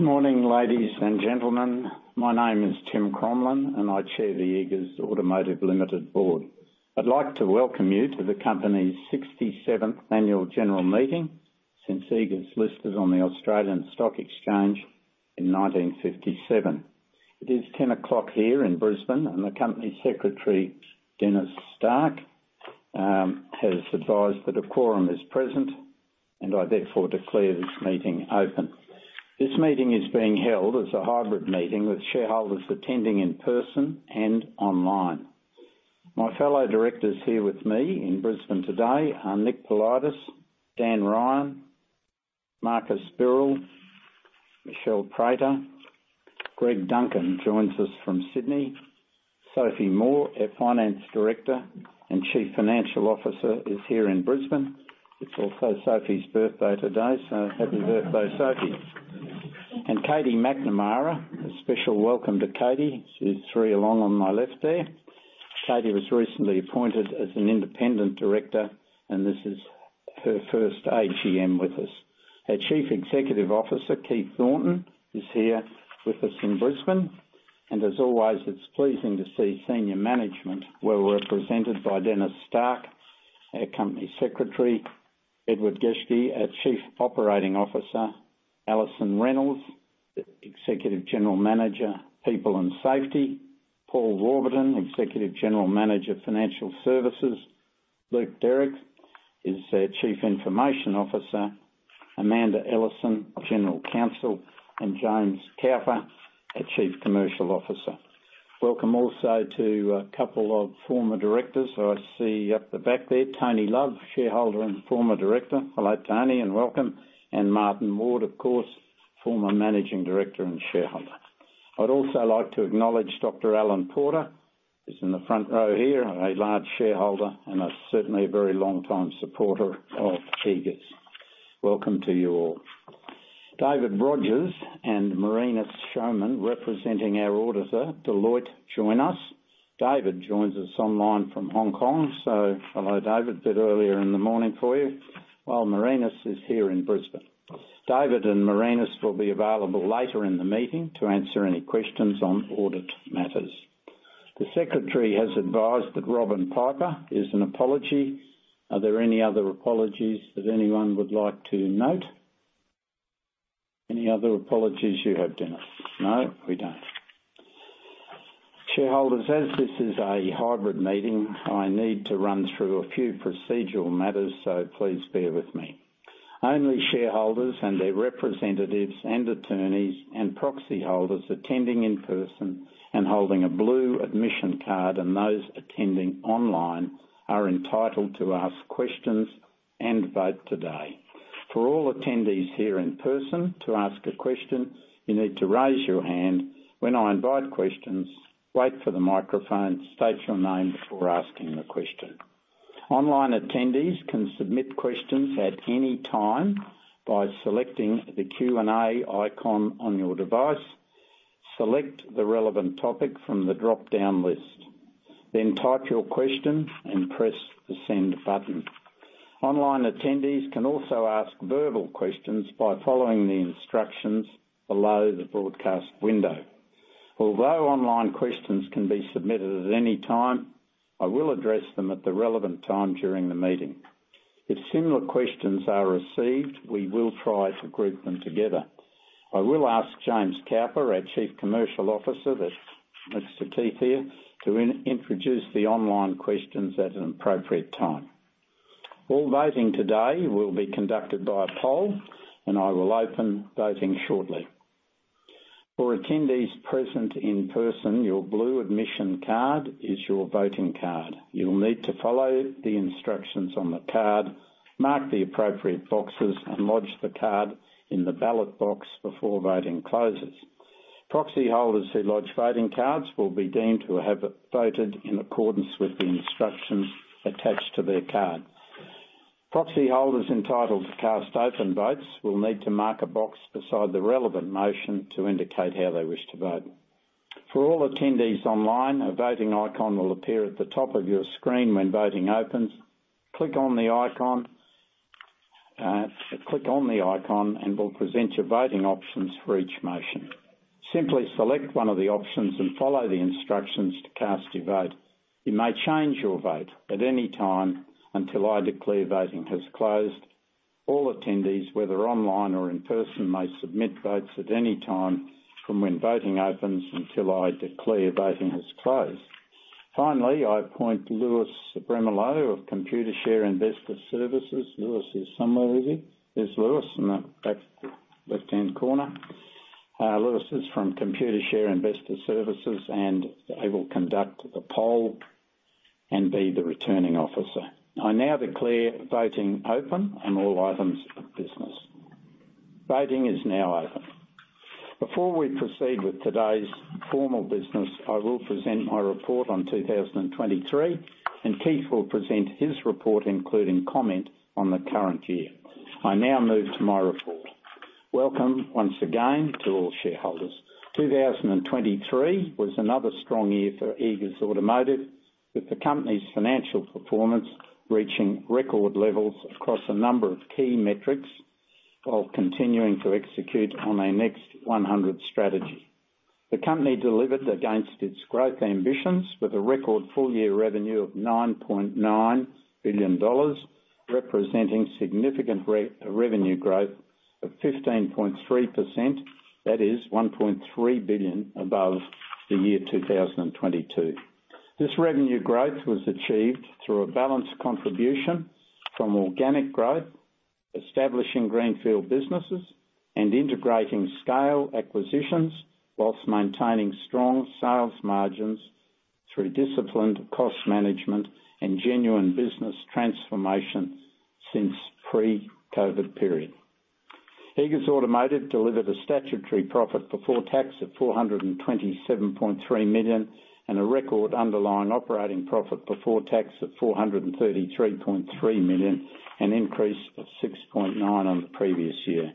Good morning, ladies and gentlemen. My name is Tim Crommelin, and I chair the Eagers Automotive Limited Board. I'd like to welcome you to the company's 67th annual general meeting since Eagers listed on the Australian Stock Exchange in 1957. It is 10:00 A.M. here in Brisbane, and the Company Secretary, Denis Stark, has advised that a quorum is present, and I therefore declare this meeting open. This meeting is being held as a hybrid meeting, with shareholders attending in person and online. My fellow directors here with me in Brisbane today are Nick Politis, Dan Ryan, Marcus Birrell, Michelle Prater. Greg Duncan joins us from Sydney. Sophie Moore, our Finance Director and Chief Financial Officer, is here in Brisbane. It's also Sophie's birthday today, so happy birthday, Sophie. And Katie McNamara. A special welcome to Katie. She's three along on my left there. Katie was recently appointed as an independent director, and this is her first AGM with us. Our Chief Executive Officer, Keith Thornton, is here with us in Brisbane, and as always, it's pleasing to see senior management. We're represented by Denis Stark, our Company Secretary, Edward Geschke, our Chief Operating Officer, Allison Reynolds, the Executive General Manager, People and Safety, Paul Warburton, Executive General Manager, Financial Services. Luke Derrick is our Chief Information Officer, Amanda Ellison, General Counsel, and James Cowper, our Chief Commercial Officer. Welcome also to a couple of former directors. I see up the back there, Tony Love, shareholder and former director. Hello, Tony, and welcome, and Martin Ward, of course, former managing director and shareholder. I'd also like to acknowledge Dr. Alan Porter, who's in the front row here, and a large shareholder and certainly a very long-time supporter of Eagers. Welcome to you all. David Rodgers and Marinus Schoeman, representing our auditor, Deloitte, join us. David joins us online from Hong Kong. So hello, David. A bit earlier in the morning for you, while Marinus is here in Brisbane. David and Marinus will be available later in the meeting to answer any questions on audit matters. The secretary has advised that Robin Piper is an apology. Are there any other apologies that anyone would like to note? Any other apologies you have, Denis? No, we don't. Shareholders, as this is a hybrid meeting, I need to run through a few procedural matters, so please bear with me. Only shareholders and their representatives and attorneys and proxyholders attending in person and holding a blue admission card, and those attending online, are entitled to ask questions and vote today. For all attendees here in person, to ask a question, you need to raise your hand. When I invite questions, wait for the microphone, state your name before asking the question. Online attendees can submit questions at any time by selecting the Q&A icon on your device. Select the relevant topic from the dropdown list, then type your question and press the Send button. Online attendees can also ask verbal questions by following the instructions below the broadcast window. Although online questions can be submitted at any time, I will address them at the relevant time during the meeting. If similar questions are received, we will try to group them together. I will ask James Couper, our Chief Commercial Officer, Keith Thornton here, to introduce the online questions at an appropriate time. All voting today will be conducted by a poll, and I will open voting shortly. For attendees present in person, your blue admission card is your voting card. You'll need to follow the instructions on the card, mark the appropriate boxes, and lodge the card in the ballot box before voting closes. Proxy holders who lodge voting cards will be deemed to have voted in accordance with the instructions attached to their card. Proxy holders entitled to cast open votes will need to mark a box beside the relevant motion to indicate how they wish to vote. For all attendees online, a voting icon will appear at the top of your screen when voting opens. Click on the icon, click on the icon, and we'll present your voting options for each motion. Simply select one of the options and follow the instructions to cast your vote. You may change your vote at any time until I declare voting has closed. All attendees, whether online or in person, may submit votes at any time from when voting opens until I declare voting has closed. Finally, I appoint Lewis Superina of Computershare Investor Services. Lewis is somewhere, is he? There's Lewis in the back left-hand corner. Lewis is from Computershare Investor Services, and he will conduct the poll and be the returning officer. I now declare voting open on all items of business. Voting is now open. Before we proceed with today's formal business, I will present my report on 2023, and Keith will present his report, including comment on the current year. I now move to my report. Welcome once again to all shareholders. 2023 was another strong year for Eagers Automotive.... With the company's financial performance reaching record levels across a number of key metrics while continuing to execute on our Next100 Strategy. The company delivered against its growth ambitions with a record full year revenue of 9.9 billion dollars, representing significant revenue growth of 15.3%. That is 1.3 billion above the year 2022. This revenue growth was achieved through a balanced contribution from organic growth, establishing greenfield businesses, and integrating scale acquisitions, whilst maintaining strong sales margins through disciplined cost management and genuine business transformation since pre-COVID period. Eagers Automotive delivered a statutory profit before tax of 427.3 million, and a record underlying operating profit before tax of 433.3 million, an increase of 6.9% on the previous year.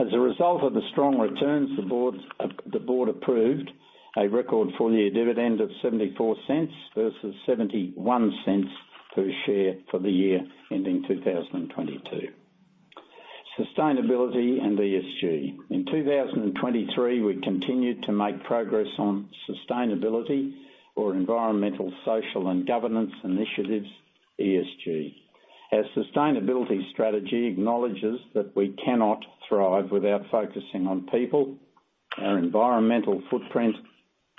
As a result of the strong returns, the board approved a record full-year dividend of 0.74 versus 0.71 per share for the year ending 2022. Sustainability and ESG. In 2023, we continued to make progress on sustainability or environmental, social, and governance initiatives, ESG. Our sustainability strategy acknowledges that we cannot thrive without focusing on people, our environmental footprint,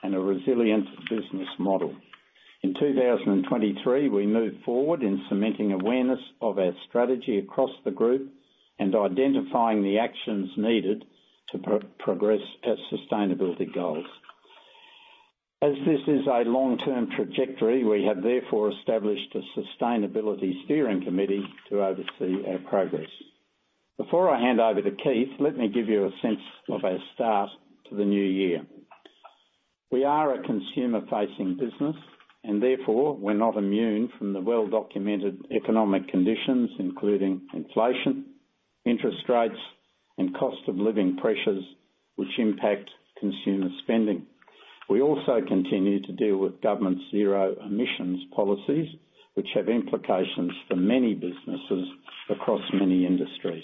and a resilient business model. In 2023, we moved forward in cementing awareness of our strategy across the group and identifying the actions needed to progress our sustainability goals. As this is a long-term trajectory, we have therefore established a Sustainability Steering Committee to oversee our progress. Before I hand over to Keith, let me give you a sense of our start to the new year. We are a consumer-facing business, and therefore, we're not immune from the well-documented economic conditions, including inflation, interest rates, and cost of living pressures which impact consumer spending. We also continue to deal with government zero emissions policies, which have implications for many businesses across many industries.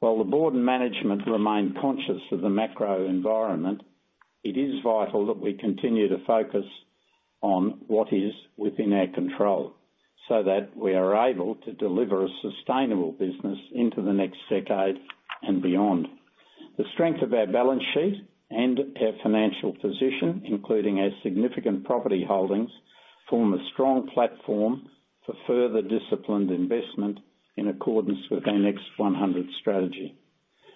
While the board and management remain conscious of the macro environment, it is vital that we continue to focus on what is within our control, so that we are able to deliver a sustainable business into the next decade and beyond. The strength of our balance sheet and our financial position, including our significant property holdings, form a strong platform for further disciplined investment in accordance with our Next100 Strategy.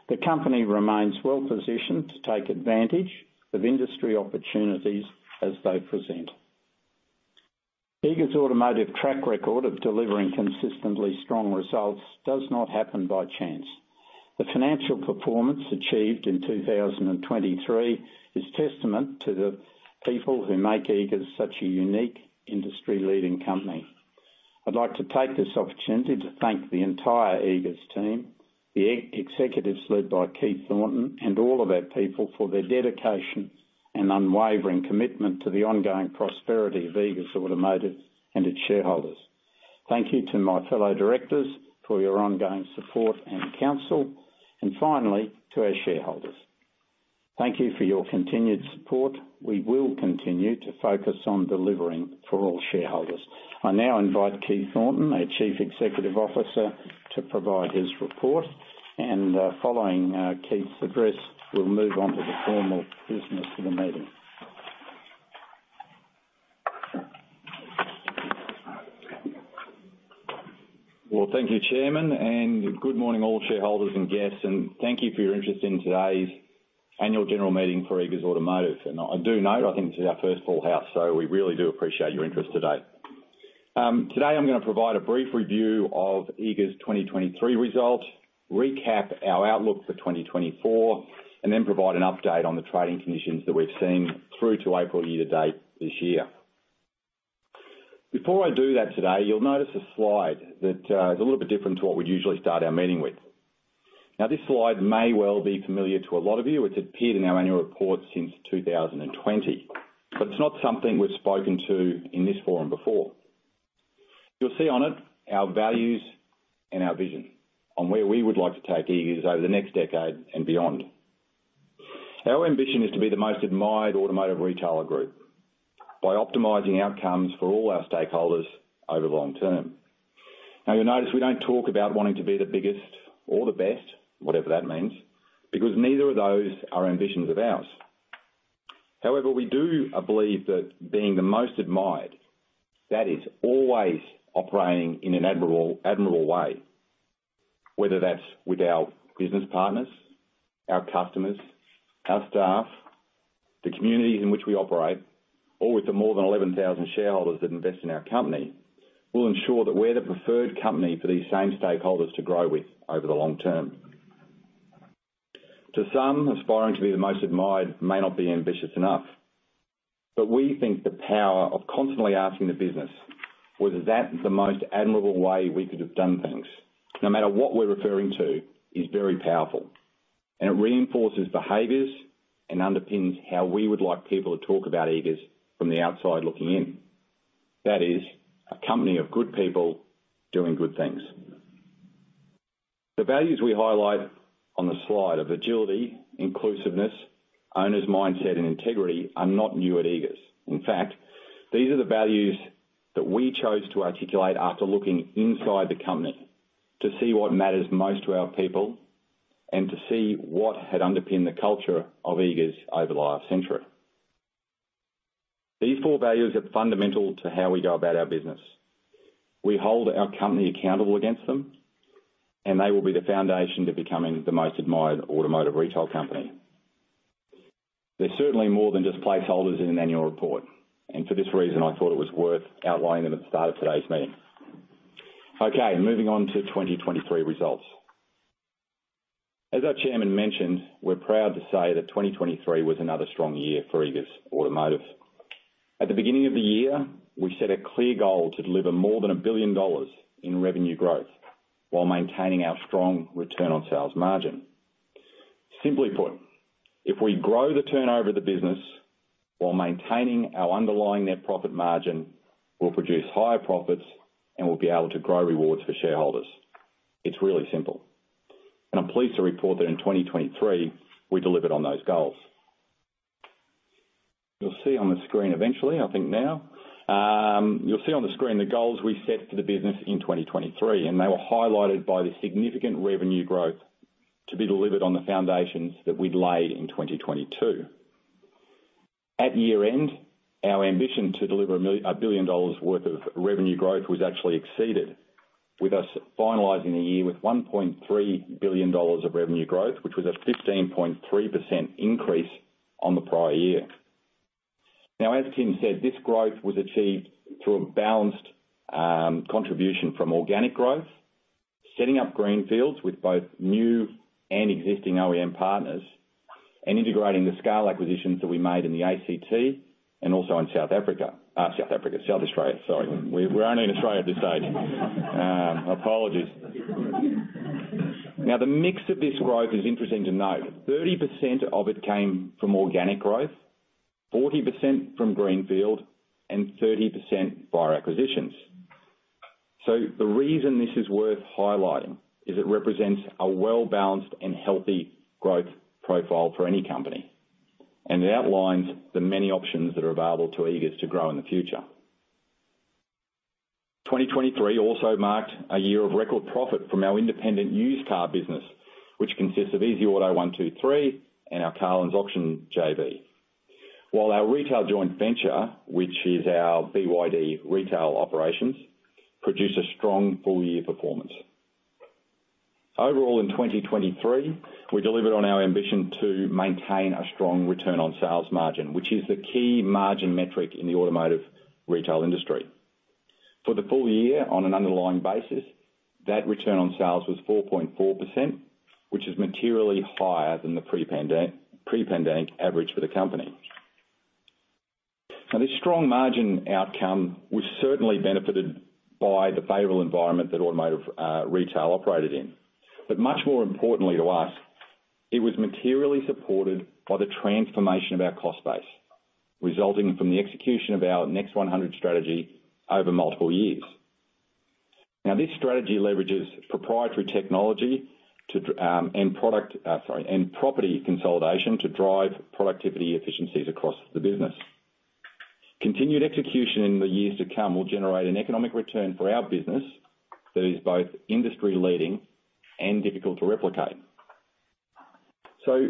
The company remains well-positioned to take advantage of industry opportunities as they present. Eagers Automotive track record of delivering consistently strong results does not happen by chance. The financial performance achieved in 2023 is testament to the people who make Eagers such a unique, industry-leading company. I'd like to take this opportunity to thank the entire Eagers team, the executives led by Keith Thornton, and all of our people for their dedication and unwavering commitment to the ongoing prosperity of Eagers Automotive and its shareholders. Thank you to my fellow directors for your ongoing support and counsel. And finally, to our shareholders, thank you for your continued support. We will continue to focus on delivering for all shareholders. I now invite Keith Thornton, our Chief Executive Officer, to provide his report, and, following, Keith's address, we'll move on to the formal business of the meeting. Well, thank you, Chairman, and good morning, all shareholders and guests, and thank you for your interest in today's Annual General Meeting for Eagers Automotive. I do note, I think this is our first full house, so we really do appreciate your interest today. Today, I'm gonna provide a brief review of Eagers' 2023 results, recap our outlook for 2024, and then provide an update on the trading conditions that we've seen through to April year to date this year. Before I do that today, you'll notice a slide that is a little bit different to what we'd usually start our meeting with. Now, this slide may well be familiar to a lot of you. It's appeared in our annual report since 2020, but it's not something we've spoken to in this forum before. You'll see on it our values and our vision on where we would like to take Eagers over the next decade and beyond. Our ambition is to be the most admired automotive retailer group by optimizing outcomes for all our stakeholders over the long term. Now, you'll notice we don't talk about wanting to be the biggest or the best, whatever that means, because neither of those are ambitions of ours. However, we do believe that being the most admired, that is always operating in an admirable, admirable way, whether that's with our business partners, our customers, our staff, the communities in which we operate, or with the more than 11,000 shareholders that invest in our company, will ensure that we're the preferred company for these same stakeholders to grow with over the long term. To some, aspiring to be the most admired may not be ambitious enough, but we think the power of constantly asking the business whether that's the most admirable way we could have done things, no matter what we're referring to, is very powerful... and it reinforces behaviors and underpins how we would like people to talk about Eagers from the outside looking in. That is, a company of good people doing good things. The values we highlight on the slide of agility, inclusiveness, owner's mindset, and integrity are not new at Eagers. In fact, these are the values that we chose to articulate after looking inside the company to see what matters most to our people and to see what had underpinned the culture of Eagers over the last century. These four values are fundamental to how we go about our business. We hold our company accountable against them, and they will be the foundation to becoming the most admired automotive retail company. They're certainly more than just placeholders in an annual report, and for this reason, I thought it was worth outlining them at the start of today's meeting. Okay, moving on to 2023 results. As our chairman mentioned, we're proud to say that 2023 was another strong year for Eagers Automotive. At the beginning of the year, we set a clear goal to deliver more than 1 billion dollars in revenue growth while maintaining our strong return on sales margin. Simply put, if we grow the turnover of the business while maintaining our underlying net profit margin, we'll produce higher profits, and we'll be able to grow rewards for shareholders. It's really simple. I'm pleased to report that in 2023, we delivered on those goals. You'll see on the screen eventually, I think now, you'll see on the screen the goals we set for the business in 2023, and they were highlighted by the significant revenue growth to be delivered on the foundations that we'd laid in 2022. At year-end, our ambition to deliver 1 billion dollars worth of revenue growth was actually exceeded, with us finalizing the year with 1.3 billion dollars of revenue growth, which was a 15.3% increase on the prior year. Now, as Tim said, this growth was achieved through a balanced contribution from organic growth, setting up greenfields with both new and existing OEM partners, and integrating the scale acquisitions that we made in the ACT and also in South Australia. South Australia, sorry. We're only in Australia at this stage. Apologies. Now, the mix of this growth is interesting to note. 30% of it came from organic growth, 40% from greenfield, and 30% via acquisitions. So the reason this is worth highlighting is it represents a well-balanced and healthy growth profile for any company, and it outlines the many options that are available to Eagers to grow in the future. 2023 also marked a year of record profit from our independent used car business, which consists of easyauto123 and our Carlins Auction JV. While our retail joint venture, which is our BYD retail operations, produced a strong full-year performance. Overall, in 2023, we delivered on our ambition to maintain a strong return on sales margin, which is the key margin metric in the automotive retail industry. For the full year, on an underlying basis, that return on sales was 4.4%, which is materially higher than the pre-pandemic average for the company. Now, this strong margin outcome was certainly benefited by the favorable environment that automotive retail operated in. But much more importantly to us, it was materially supported by the transformation of our cost base, resulting from the execution of our Next100 Strategy over multiple years. Now, this strategy leverages proprietary technology and property consolidation to drive productivity efficiencies across the business. Continued execution in the years to come will generate an economic return for our business that is both industry-leading and difficult to replicate. So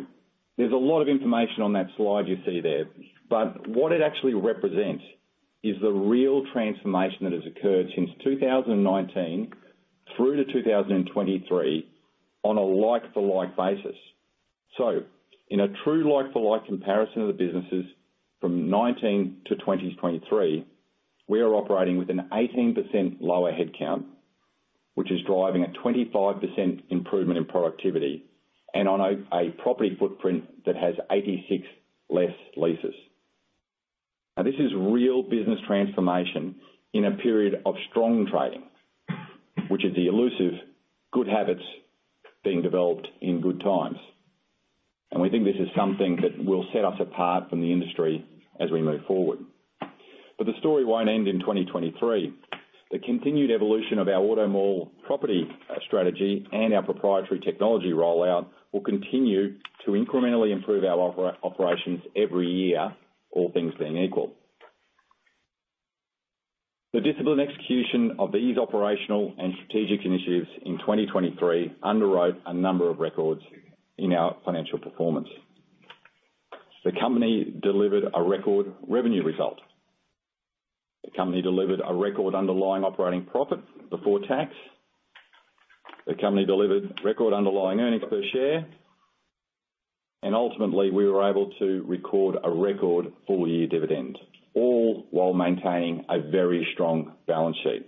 there's a lot of information on that slide you see there, but what it actually represents is the real transformation that has occurred since 2019 through to 2023 on a like-for-like basis. So in a true like-for-like comparison of the businesses from 2019 to 2023, we are operating with an 18% lower headcount, which is driving a 25% improvement in productivity, and on a property footprint that has 86 less leases. Now, this is real business transformation in a period of strong trading, which is the elusive good habits being developed in good times. And we think this is something that will set us apart from the industry as we move forward. But the story won't end in 2023. The continued evolution of our AutoMall property strategy and our proprietary technology rollout will continue to incrementally improve our operations every year, all things being equal. The disciplined execution of these operational and strategic initiatives in 2023 underwrote a number of records in our financial performance. The company delivered a record revenue result. The company delivered a record underlying operating profit before tax. The company delivered record underlying earnings per share, and ultimately, we were able to record a record full-year dividend, all while maintaining a very strong balance sheet.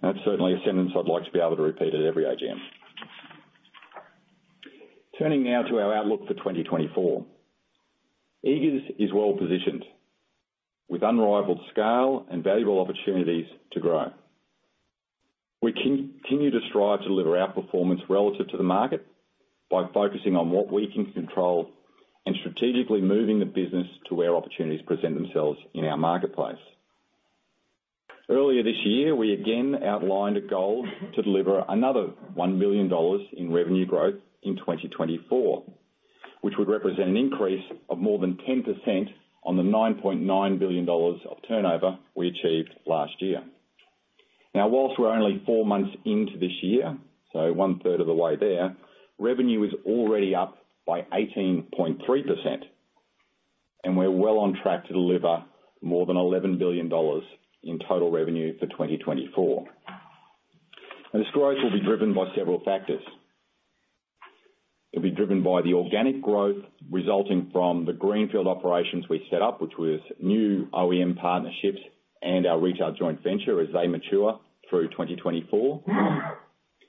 That's certainly a sentence I'd like to be able to repeat at every AGM. Turning now to our outlook for 2024. Eagers is well positioned, with unrivaled scale and valuable opportunities to grow. We continue to strive to deliver our performance relative to the market, by focusing on what we can control, and strategically moving the business to where opportunities present themselves in our marketplace. Earlier this year, we again outlined a goal to deliver another 1 billion dollars in revenue growth in 2024, which would represent an increase of more than 10% on the 9.9 billion dollars of turnover we achieved last year. Now, whilst we're only four months into this year, so one third of the way there, revenue is already up by 18.3%, and we're well on track to deliver more than 11 billion dollars in total revenue for 2024. This growth will be driven by several factors. It'll be driven by the organic growth resulting from the greenfield operations we set up, which was new OEM partnerships and our retail joint venture as they mature through 2024.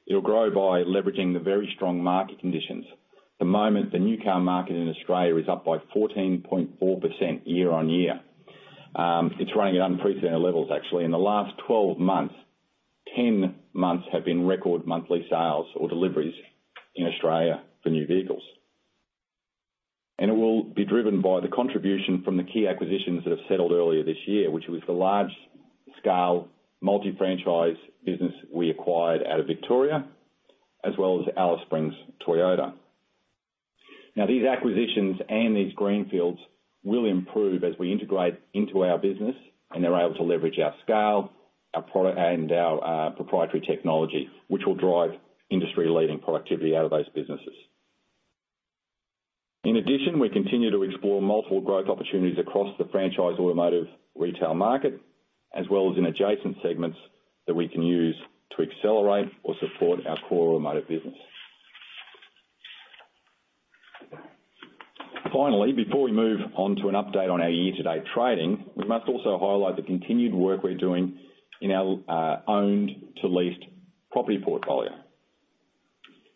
It'll grow by leveraging the very strong market conditions. At the moment, the new car market in Australia is up by 14.4% year-on-year. It's running at unprecedented levels, actually. In the last 12 months, 10 months have been record monthly sales or deliveries in Australia for new vehicles. It will be driven by the contribution from the key acquisitions that have settled earlier this year, which was the large-scale multi-franchise business we acquired out of Victoria, as well as Alice Springs Toyota. Now, these acquisitions and these greenfields will improve as we integrate into our business, and they're able to leverage our scale, our product, and our proprietary technology, which will drive industry-leading productivity out of those businesses. In addition, we continue to explore multiple growth opportunities across the franchise automotive retail market, as well as in adjacent segments that we can use to accelerate or support our core automotive business. Finally, before we move on to an update on our year-to-date trading, we must also highlight the continued work we're doing in our owned to leased property portfolio.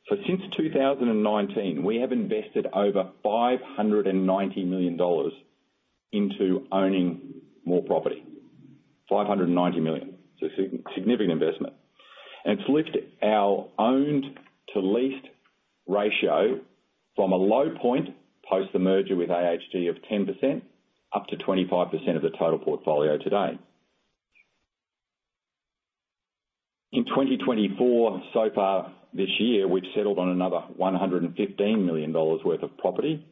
So since 2019, we have invested over 590 million dollars into owning more property. 590 million. It's a significant investment, and it's lifted our owned to leased ratio from a low point, post the merger with AHG of 10%, up to 25% of the total portfolio today. In 2024, so far this year, we've settled on another 115 million dollars worth of property,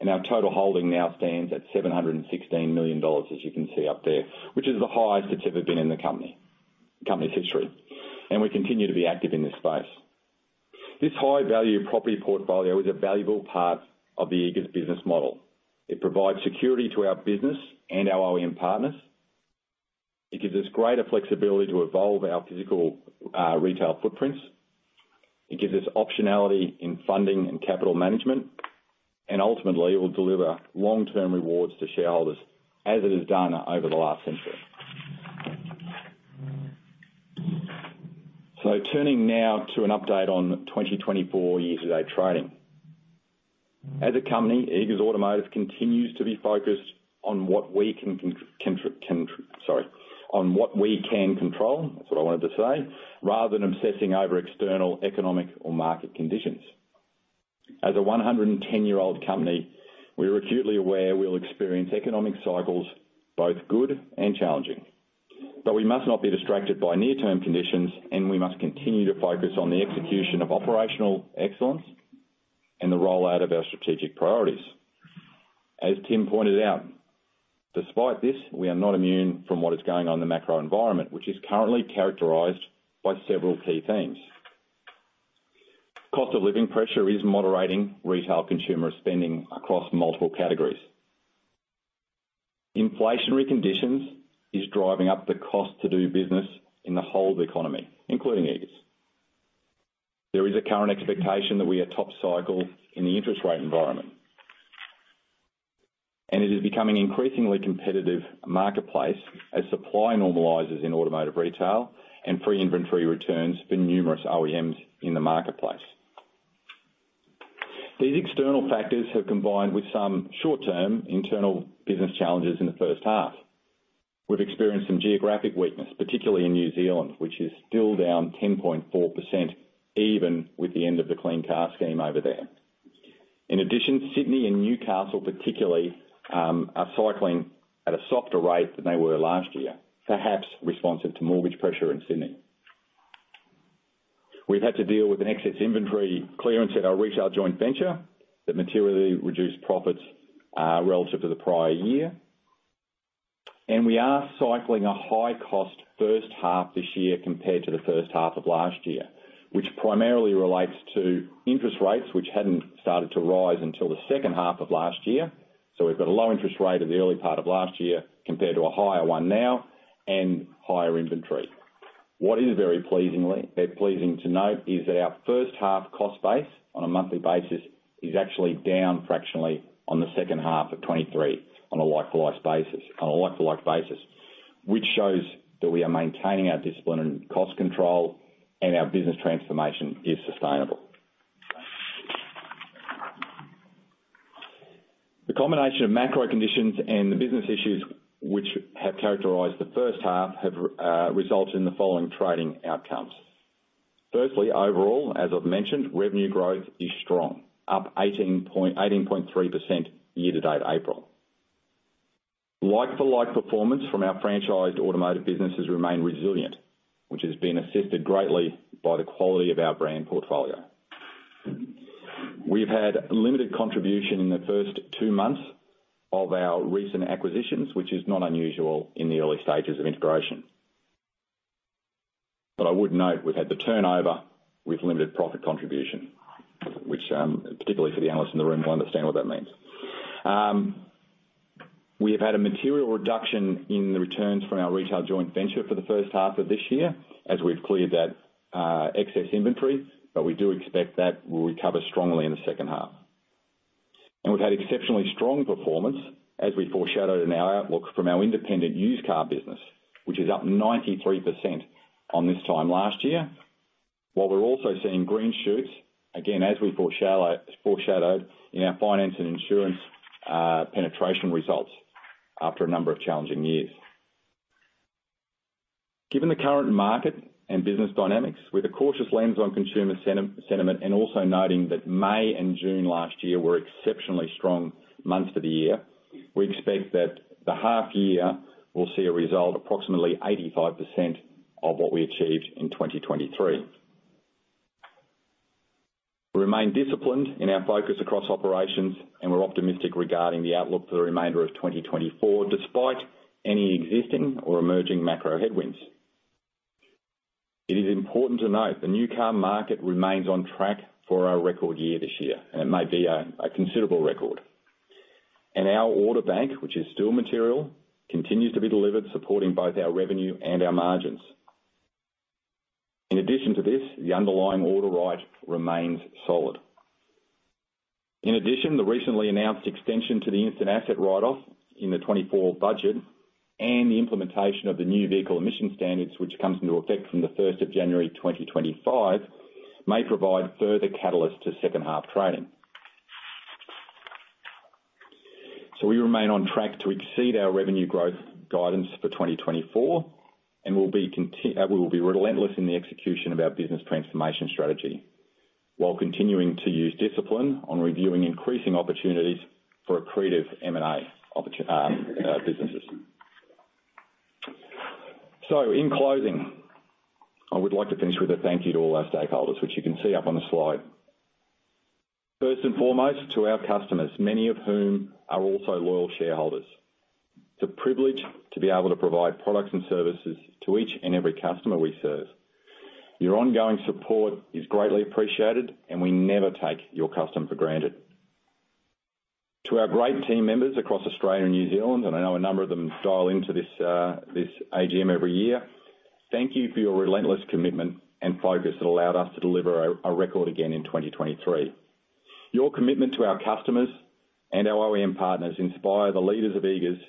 and our total holding now stands at 716 million dollars, as you can see up there, which is the highest it's ever been in the company, the company's history, and we continue to be active in this space. This high-value property portfolio is a valuable part of the Eagers business model. It provides security to our business and our OEM partners. It gives us greater flexibility to evolve our physical retail footprints. It gives us optionality in funding and capital management, and ultimately, it will deliver long-term rewards to shareholders as it has done over the last century. So turning now to an update on 2024 year-to-date trading. As a company, Eagers Automotive continues to be focused on what we can control, that's what I wanted to say, sorry, rather than obsessing over external, economic or market conditions. As a 110-year-old company, we are acutely aware we'll experience economic cycles, both good and challenging. But we must not be distracted by near-term conditions, and we must continue to focus on the execution of operational excellence and the rollout of our strategic priorities. As Tim pointed out, despite this, we are not immune from what is going on in the macro environment, which is currently characterized by several key themes. Cost of living pressure is moderating retail consumer spending across multiple categories. Inflationary conditions is driving up the cost to do business in the whole economy, including Eagers. There is a current expectation that we are top cycle in the interest rate environment, and it is becoming an increasingly competitive marketplace as supply normalizes in automotive retail, and inventory returns for numerous OEMs in the marketplace. These external factors have combined with some short-term internal business challenges in the first half. We've experienced some geographic weakness, particularly in New Zealand, which is still down 10.4%, even with the end of the Clean Car Scheme over there. In addition, Sydney and Newcastle particularly are cycling at a softer rate than they were last year, perhaps responsive to mortgage pressure in Sydney. We've had to deal with an excess inventory clearance at our retail joint venture that materially reduced profits, relative to the prior year. And we are cycling a high-cost first half this year compared to the first half of last year, which primarily relates to interest rates, which hadn't started to rise until the second half of last year. So we've got a low interest rate in the early part of last year compared to a higher one now, and higher inventory. What is very pleasingly, pleasing to note is that our first half cost base on a monthly basis is actually down fractionally on the second half of 2023 on a like-for-like basis, on a like-for-like basis, which shows that we are maintaining our discipline and cost control, and our business transformation is sustainable. The combination of macro conditions and the business issues which have characterized the first half have resulted in the following trading outcomes. Firstly, overall, as I've mentioned, revenue growth is strong, up 18.3% year to date, April. Like-for-like performance from our franchised automotive businesses remain resilient, which has been assisted greatly by the quality of our brand portfolio. We've had limited contribution in the first two months of our recent acquisitions, which is not unusual in the early stages of integration. But I would note, we've had the turnover with limited profit contribution, which, particularly for the analysts in the room, will understand what that means. We have had a material reduction in the returns from our retail joint venture for the first half of this year, as we've cleared that excess inventory, but we do expect that we'll recover strongly in the second half. And we've had exceptionally strong performance, as we foreshadowed in our outlook from our independent used car business, which is up 93% on this time last year. While we're also seeing green shoots, again, as we foreshadowed in our finance and insurance penetration results after a number of challenging years. Given the current market and business dynamics, with a cautious lens on consumer sentiment, and also noting that May and June last year were exceptionally strong months for the year, we expect that the half year will see a result approximately 85% of what we achieved in 2023. We remain disciplined in our focus across operations, and we're optimistic regarding the outlook for the remainder of 2024, despite any existing or emerging macro headwinds. It is important to note, the new car market remains on track for our record year this year, and it may be a considerable record. Our order bank, which is still material, continues to be delivered, supporting both our revenue and our margins. In addition to this, the underlying order right remains solid. In addition, the recently announced extension to the instant asset write-off in the 2024 budget, and the implementation of the new vehicle emission standards, which comes into effect from the 1st of January 2025, may provide further catalyst to second half trading. So we remain on track to exceed our revenue growth guidance for 2024, and we'll be relentless in the execution of our business transformation strategy, while continuing to use discipline on reviewing increasing opportunities for accretive M&A businesses. So in closing, I would like to finish with a thank you to all our stakeholders, which you can see up on the slide. First and foremost, to our customers, many of whom are also loyal shareholders. It's a privilege to be able to provide products and services to each and every customer we serve. Your ongoing support is greatly appreciated, and we never take your custom for granted. To our great team members across Australia and New Zealand, and I know a number of them dial into this, this AGM every year, thank you for your relentless commitment and focus that allowed us to deliver a record again in 2023. Your commitment to our customers and our OEM partners inspire the leaders of Eagers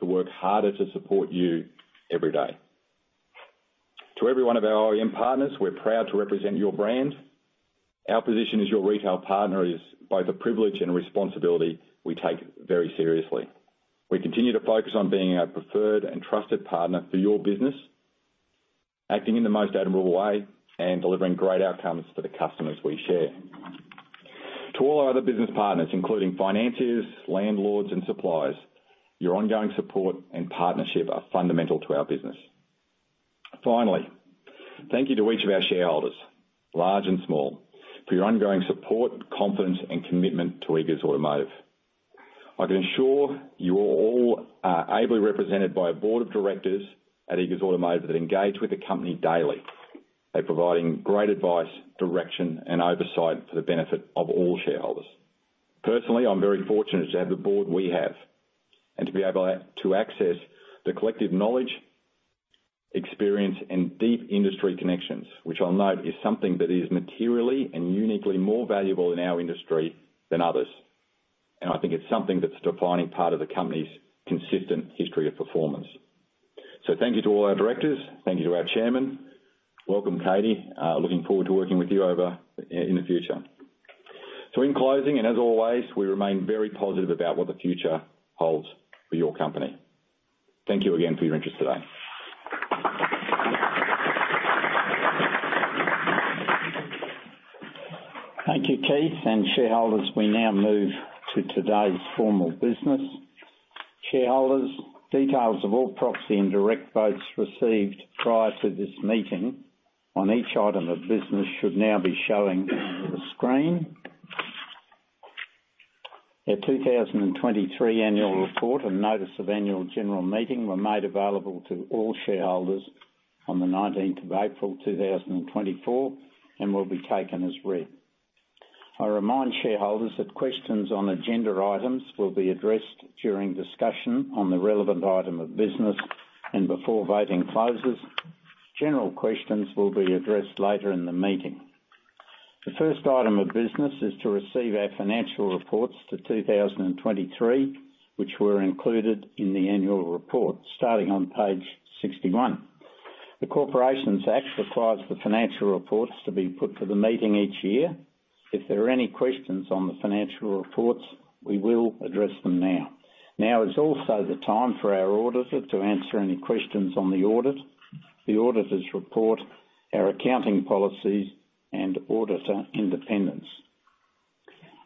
to work harder to support you every day. To every one of our OEM partners, we're proud to represent your brand. Our position as your retail partner is both a privilege and a responsibility we take very seriously. We continue to focus on being a preferred and trusted partner for your business, acting in the most admirable way, and delivering great outcomes for the customers we share. To all our other business partners, including financiers, landlords, and suppliers, your ongoing support and partnership are fundamental to our business. Finally, thank you to each of our shareholders, large and small, for your ongoing support, confidence, and commitment to Eagers Automotive. I can assure you all are ably represented by a board of directors at Eagers Automotive that engage with the company daily. They're providing great advice, direction, and oversight for the benefit of all shareholders. Personally, I'm very fortunate to have the board we have, and to be able to access the collective knowledge, experience, and deep industry connections, which I'll note, is something that is materially and uniquely more valuable in our industry than others. And I think it's something that's a defining part of the company's consistent history of performance. So thank you to all our directors. Thank you to our chairman. Welcome, Katie, looking forward to working with you over, in the future. So in closing, and as always, we remain very positive about what the future holds for your company. Thank you again for your interest today. Thank you, Keith. Shareholders, we now move to today's formal business. Shareholders, details of all proxy and direct votes received prior to this meeting on each item of business should now be showing on the screen. Our 2023 annual report and notice of annual general meeting were made available to all shareholders on the 19th of April 2024, and will be taken as read. I remind shareholders that questions on agenda items will be addressed during discussion on the relevant item of business and before voting closes. General questions will be addressed later in the meeting. The first item of business is to receive our financial reports for 2023, which were included in the annual report, starting on page 61. The Corporations Act requires the financial reports to be put to the meeting each year. If there are any questions on the financial reports, we will address them now. Now is also the time for our auditor to answer any questions on the audit, the auditor's report, our accounting policies, and auditor independence.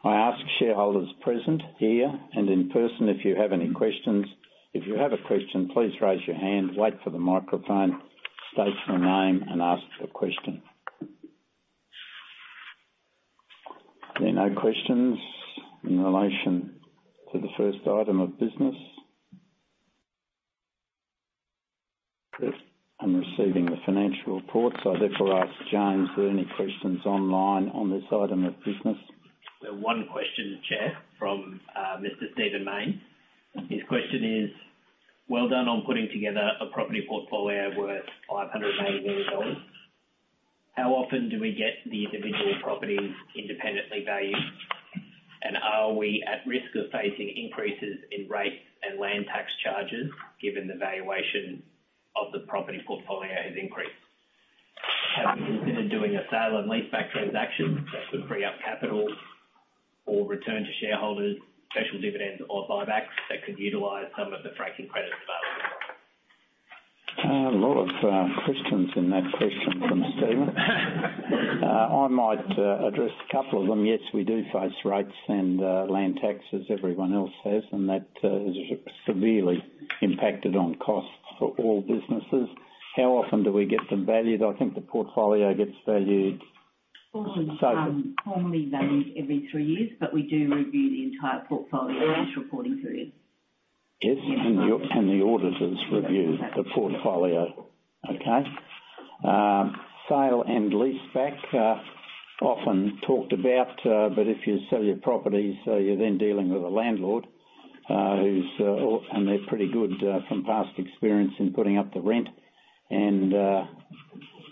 I ask shareholders present here and in person if you have any questions. If you have a question, please raise your hand, wait for the microphone, state your name, and ask your question. There are no questions in relation to the first item of business? Chris, I'm receiving the financial reports. I therefore ask James, are there any questions online on this item of business? There's one question, Chair, from Mr. Stephen Mayne. His question is: Well done on putting together a property portfolio worth 500 million dollars. How often do we get the individual properties independently valued? And are we at risk of facing increases in rate and land tax charges, given the valuation of the property portfolio has increased? Have you considered doing a sale and leaseback transaction that could free up capital or return to shareholders, special dividends or buybacks that could utilize some of the franking credits available? A lot of questions in that question from Stephen. I might address a couple of them. Yes, we do face rates and land taxes everyone else has, and that has severely impacted on costs for all businesses. How often do we get them valued? I think the portfolio gets valued- Formally valued every three years, but we do review the entire portfolio each reporting period. Yes, and the auditors review the portfolio. Okay. Sale and leaseback, often talked about, but if you sell your properties, you're then dealing with a landlord, who's... And they're pretty good, from past experience in putting up the rent. And,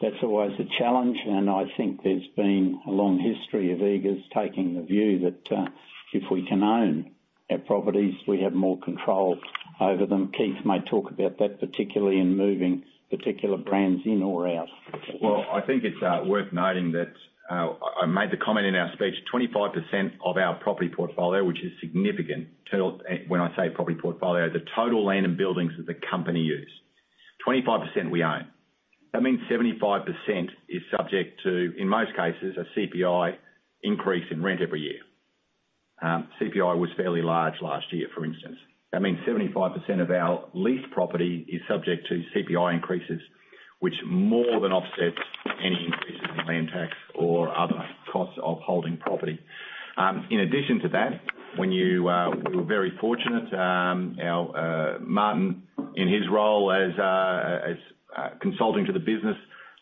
that's always a challenge, and I think there's been a long history of Eagers taking the view that, if we can own our properties, we have more control over them. Keith may talk about that, particularly in moving particular brands in or out. Well, I think it's worth noting that I made the comment in our speech, 25% of our property portfolio, which is significant. When I say property portfolio, the total land and buildings that the company use, 25% we own. That means 75% is subject to, in most cases, a CPI increase in rent every year. CPI was fairly large last year, for instance. That means 75% of our leased property is subject to CPI increases, which more than offsets any increases in land tax or other costs of holding property. In addition to that, we were very fortunate, our Martin, in his role as consulting to the business,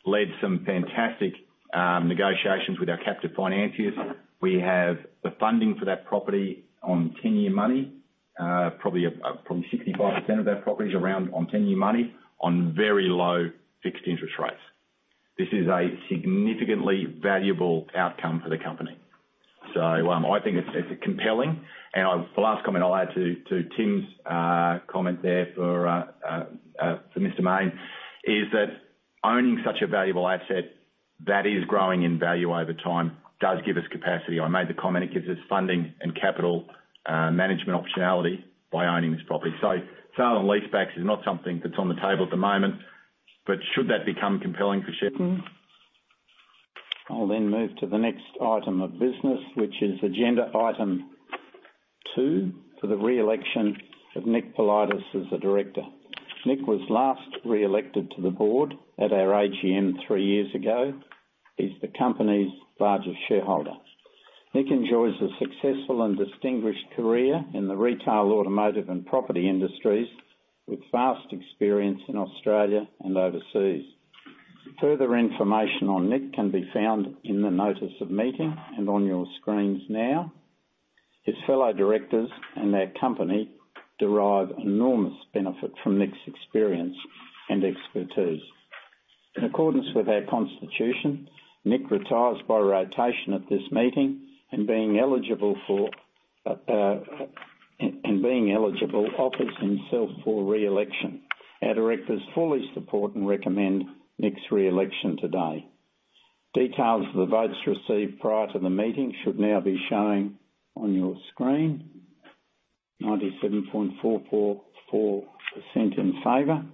led some fantastic negotiations with our captive financiers. We have the funding for that property on ten-year money, probably, probably 65% of our property is around on ten-year money, on very low fixed interest rates. This is a significantly valuable outcome for the company. So, I think it's, it's compelling. And the last comment I'll add to Tim's comment there for Mr. Main, is that owning such a valuable asset that is growing in value over time does give us capacity. I made the comment, it gives us funding and capital management optionality by owning this property. So sale and leasebacks is not something that's on the table at the moment, but should that become compelling for shareholders. I'll then move to the next item of business, which is agenda item two, for the re-election of Nick Politis as a director. Nick was last re-elected to the board at our AGM three years ago. He's the company's largest shareholder. Nick enjoys a successful and distinguished career in the retail, automotive, and property industries, with vast experience in Australia and overseas. Further information on Nick can be found in the notice of meeting and on your screens now. His fellow directors and their company derive enormous benefit from Nick's experience and expertise. In accordance with our constitution, Nick retires by rotation at this meeting, and being eligible, offers himself for re-election. Our directors fully support and recommend Nick's re-election today. Details of the votes received prior to the meeting should now be showing on your screen. 97.444% in favor.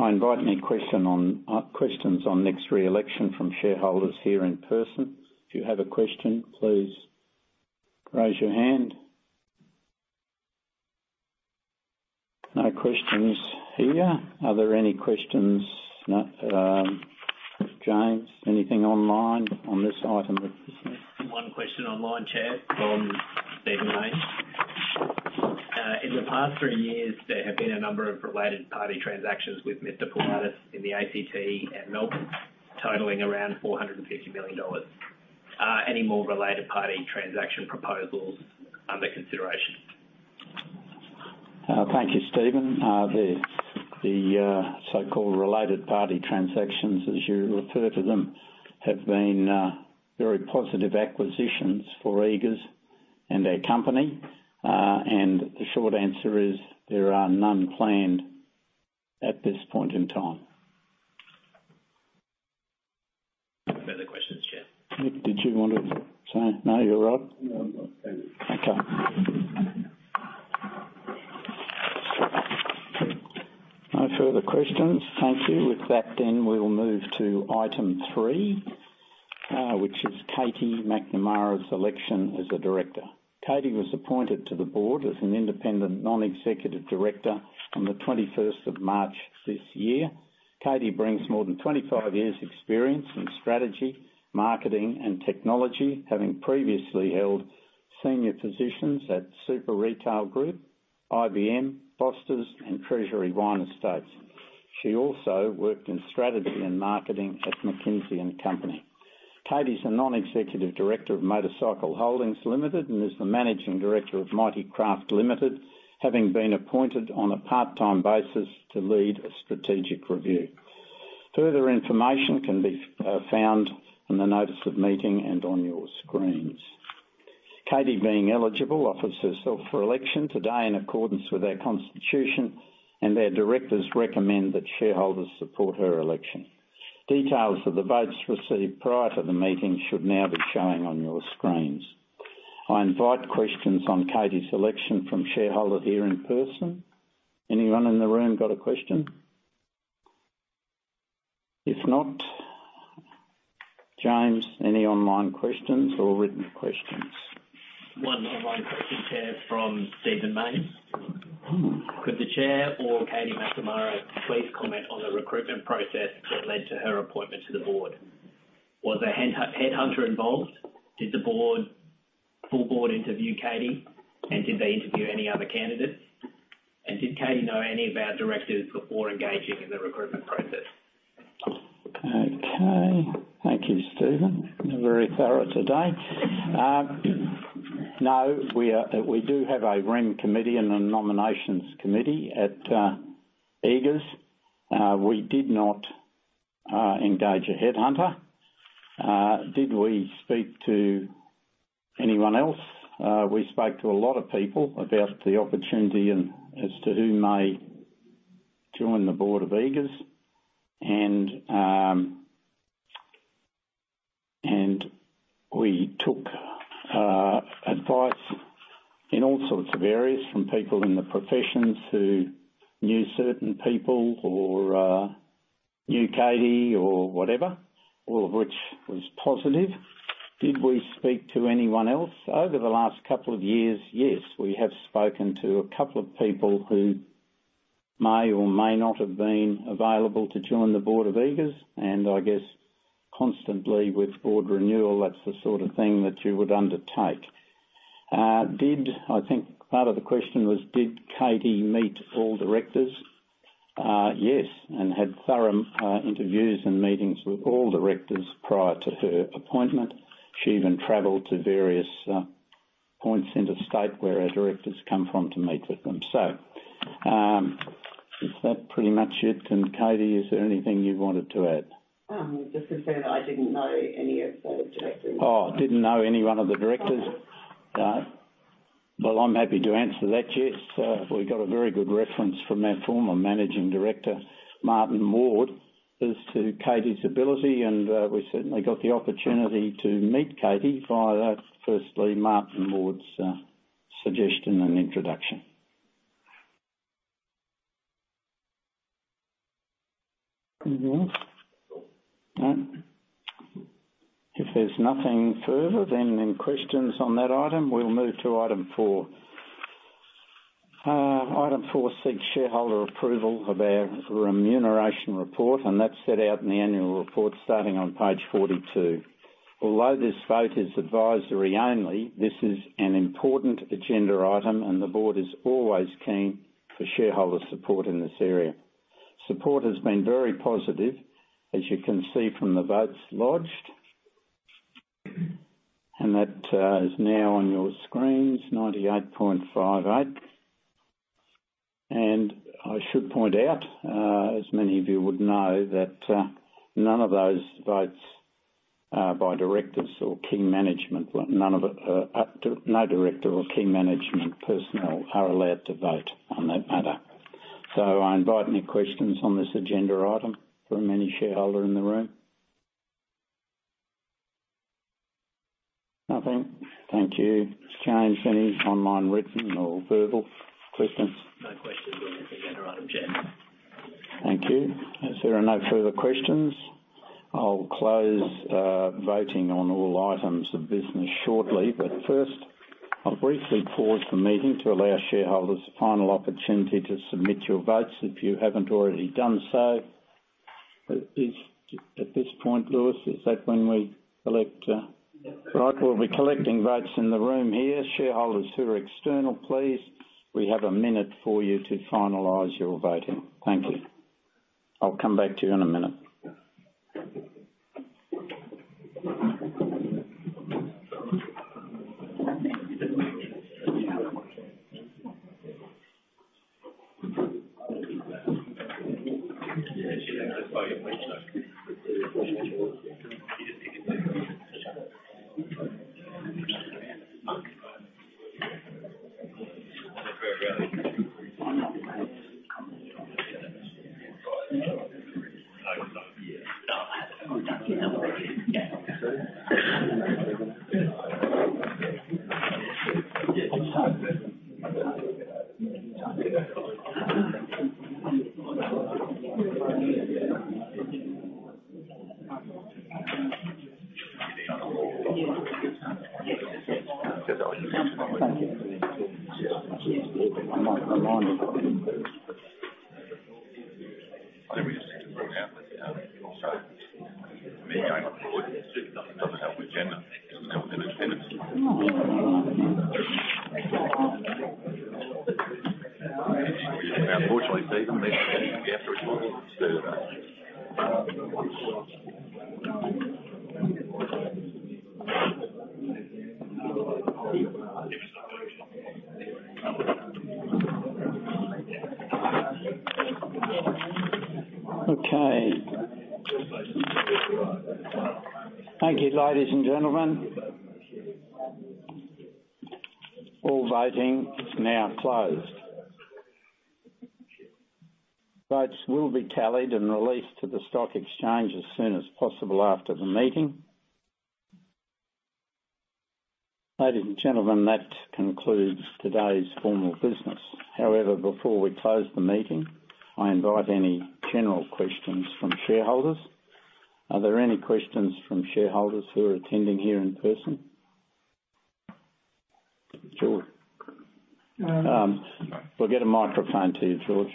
I invite any question on, questions on Nick's re-election from shareholders here in person. If you have a question, please raise your hand. No questions here. Are there any questions, James, anything online on this item? One question online, Chair, from Stephen Mayne. In the past three years, there have been a number of related party transactions with Mr. Politis in the ACT and Melbourne, totaling around 450 million dollars. Are any more related party transaction proposals under consideration? Thank you, Stephen. The so-called related party transactions, as you refer to them, have been very positive acquisitions for Eagers... and our company. And the short answer is: there are none planned at this point in time. Further questions, Chair? Nick, did you want to say? No, you're all right? No, I'm good. Okay. No further questions. Thank you. With that, then we will move to item three, which is Katie McNamara's election as a director. Katie was appointed to the board as an independent, non-executive director on the twenty-first of March this year. Katie brings more than 25 years experience in strategy, marketing, and technology, having previously held senior positions at Super Retail Group, IBM, Foster's, and Treasury Wine Estates. She also worked in strategy and marketing at McKinsey & Company. Katie's a non-executive director of Motorcycle Holdings Limited and is the managing director of Mighty Craft Limited, having been appointed on a part-time basis to lead a strategic review. Further information can be found in the notice of meeting and on your screens. Katie, being eligible, offers herself for election today in accordance with our constitution, and our directors recommend that shareholders support her election. Details of the votes received prior to the meeting should now be showing on your screens. I invite questions on Katie's election from shareholder here in person. Anyone in the room got a question? If not, James, any online questions or written questions? One online question, Chair, from Stephen Mayne: "Could the Chair or Katie McNamara please comment on the recruitment process that led to her appointment to the board? Was a headhunter involved? Did the board, full board interview Katie? And did they interview any other candidates? And did Katie know any of our directors before engaging in the recruitment process? Okay. Thank you, Stephen. You're very thorough today. No, we are—we do have a remuneration committee and a nominations committee at Eagers. We did not engage a headhunter. Did we speak to anyone else? We spoke to a lot of people about the opportunity and as to who may join the board of Eagers, and, and we took advice in all sorts of areas, from people in the professions who knew certain people or knew Katie or whatever, all of which was positive. Did we speak to anyone else? Over the last couple of years, yes, we have spoken to a couple of people who may or may not have been available to join the board of Eagers, and I guess constantly with board renewal, that's the sort of thing that you would undertake. Did... I think part of the question was, "Did Katie meet all directors?" Yes, and had thorough interviews and meetings with all directors prior to her appointment. She even traveled to various points interstate, where our directors come from, to meet with them. So, is that pretty much it? And, Katie, is there anything you wanted to add? Just to say that I didn't know any of the directors. Oh, didn't know any one of the directors? Uh-huh. Well, I'm happy to answer that, yes. We got a very good reference from our former Managing Director, Martin Ward, as to Katie's ability, and we certainly got the opportunity to meet Katie via that, firstly, Martin Ward's suggestion and introduction. Mm-hmm. If there's nothing further, then any questions on that item, we'll move to item 4. Item 4 seeks shareholder approval of our remuneration report, and that's set out in the annual report starting on page 42. Although this vote is advisory only, this is an important agenda item, and the board is always keen for shareholder support in this area. Support has been very positive, as you can see from the votes lodged, and that is now on your screens, 98.58%. I should point out, as many of you would know, that none of those votes are by directors or key management. None of it, no director or key management personnel are allowed to vote on that matter. I invite any questions on this agenda item from any shareholder in the room. Nothing? Thank you. James, any online, written, or verbal questions? No questions on this agenda item, Chair. Thank you. As there are no further questions, I'll close voting on all items of business shortly. But first, I'll briefly pause the meeting to allow shareholders final opportunity to submit your votes if you haven't already done so. At this point, Lewis, is that when we collect- Yes. Right, we'll be collecting votes in the room here. Shareholders who are external, please, we have a minute for you to finalize your voting. Thank you. I'll come back to you in a minute. Thank you.... Okay. Thank you, ladies and gentlemen. All voting is now closed. Votes will be tallied and released to the stock exchange as soon as possible after the meeting. Ladies and gentlemen, that concludes today's formal business. However, before we close the meeting, I invite any general questions from shareholders. Are there any questions from shareholders who are attending here in person? George. We'll get a microphone to you, George.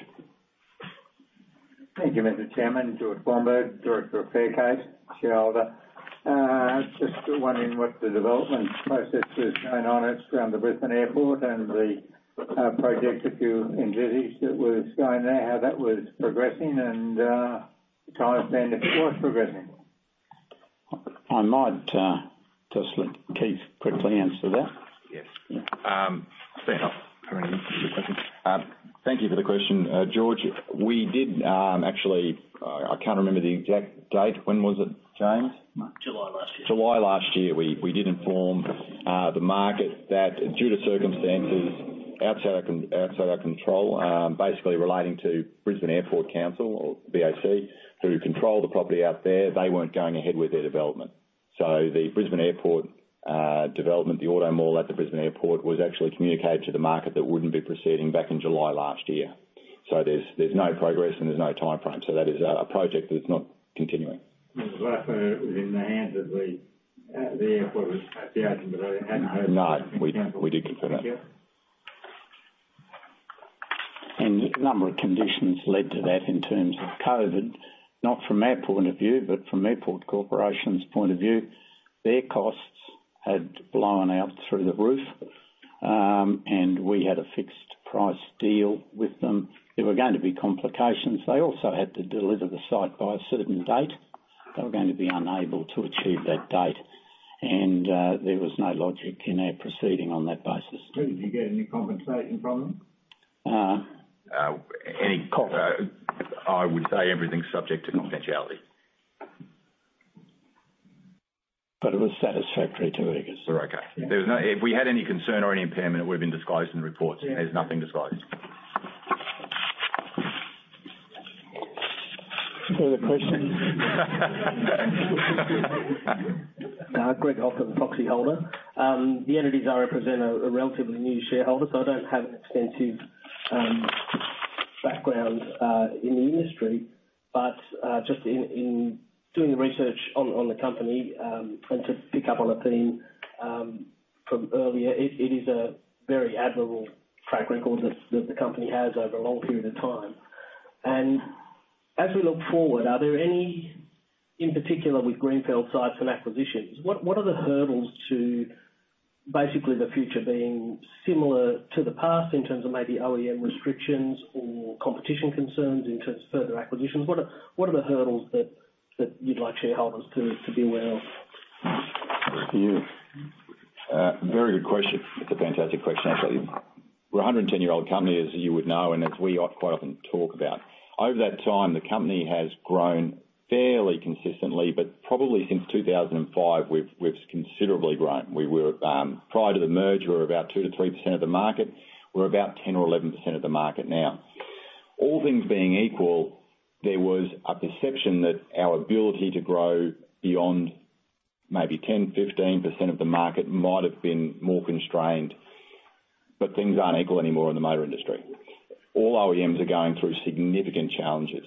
Thank you, Mr. Chairman. George Blomberg, director of Faircase, shareholder. Just wondering what the development process is going on around the Brisbane Airport and the project, if you invested, that was going there, how that was progressing and time frame, if it was progressing. I might just let Keith quickly answer that. Yes. Fair enough. Thank you for the question. George, we did, actually, I can't remember the exact date. When was it, James? July last year. July last year, we did inform the market that due to circumstances outside our control, basically relating to Brisbane Airport Corporation or BAC, who control the property out there, they weren't going ahead with their development. So the Brisbane Airport development, the auto mall at the Brisbane Airport, was actually communicated to the market that wouldn't be proceeding back in July last year. So there's no progress and there's no timeframe. So that is a project that's not continuing. Last time it was in the hands of the, the airport was out, but I hadn't heard- No, we did confirm that. Thank you. A number of conditions led to that in terms of COVID. Not from our point of view, but from Airport Corporation's point of view. Their costs had blown out through the roof, and we had a fixed price deal with them. There were going to be complications. They also had to deliver the site by a certain date. They were going to be unable to achieve that date, and there was no logic in our proceeding on that basis. Did you get any compensation from them? Uh... I would say everything's subject to confidentiality. But it was satisfactory to us. We're okay. There was no. If we had any concern or any impairment, it would have been disclosed in the reports. Yeah. There's nothing disclosed. Any other questions? Greg Hoffman, proxy holder. The entities I represent are a relatively new shareholder, so I don't have extensive background in the industry. But just in doing the research on the company and to pick up on a theme from earlier, it is a very admirable track record that the company has over a long period of time. And as we look forward, are there any... In particular with greenfield sites and acquisitions, what are the hurdles to basically the future being similar to the past in terms of maybe OEM restrictions or competition concerns in terms of further acquisitions? What are the hurdles that you'd like shareholders to be aware of? Thank you. Very good question. It's a fantastic question, actually. We're a 110-year-old company, as you would know, and as we quite often talk about. Over that time, the company has grown fairly consistently, but probably since 2005, we've considerably grown. We were prior to the merger, about 2%-3% of the market. We're about 10% or 11% of the market now. All things being equal, there was a perception that our ability to grow beyond maybe 10%-15% of the market might have been more constrained, but things aren't equal anymore in the motor industry. All OEMs are going through significant challenges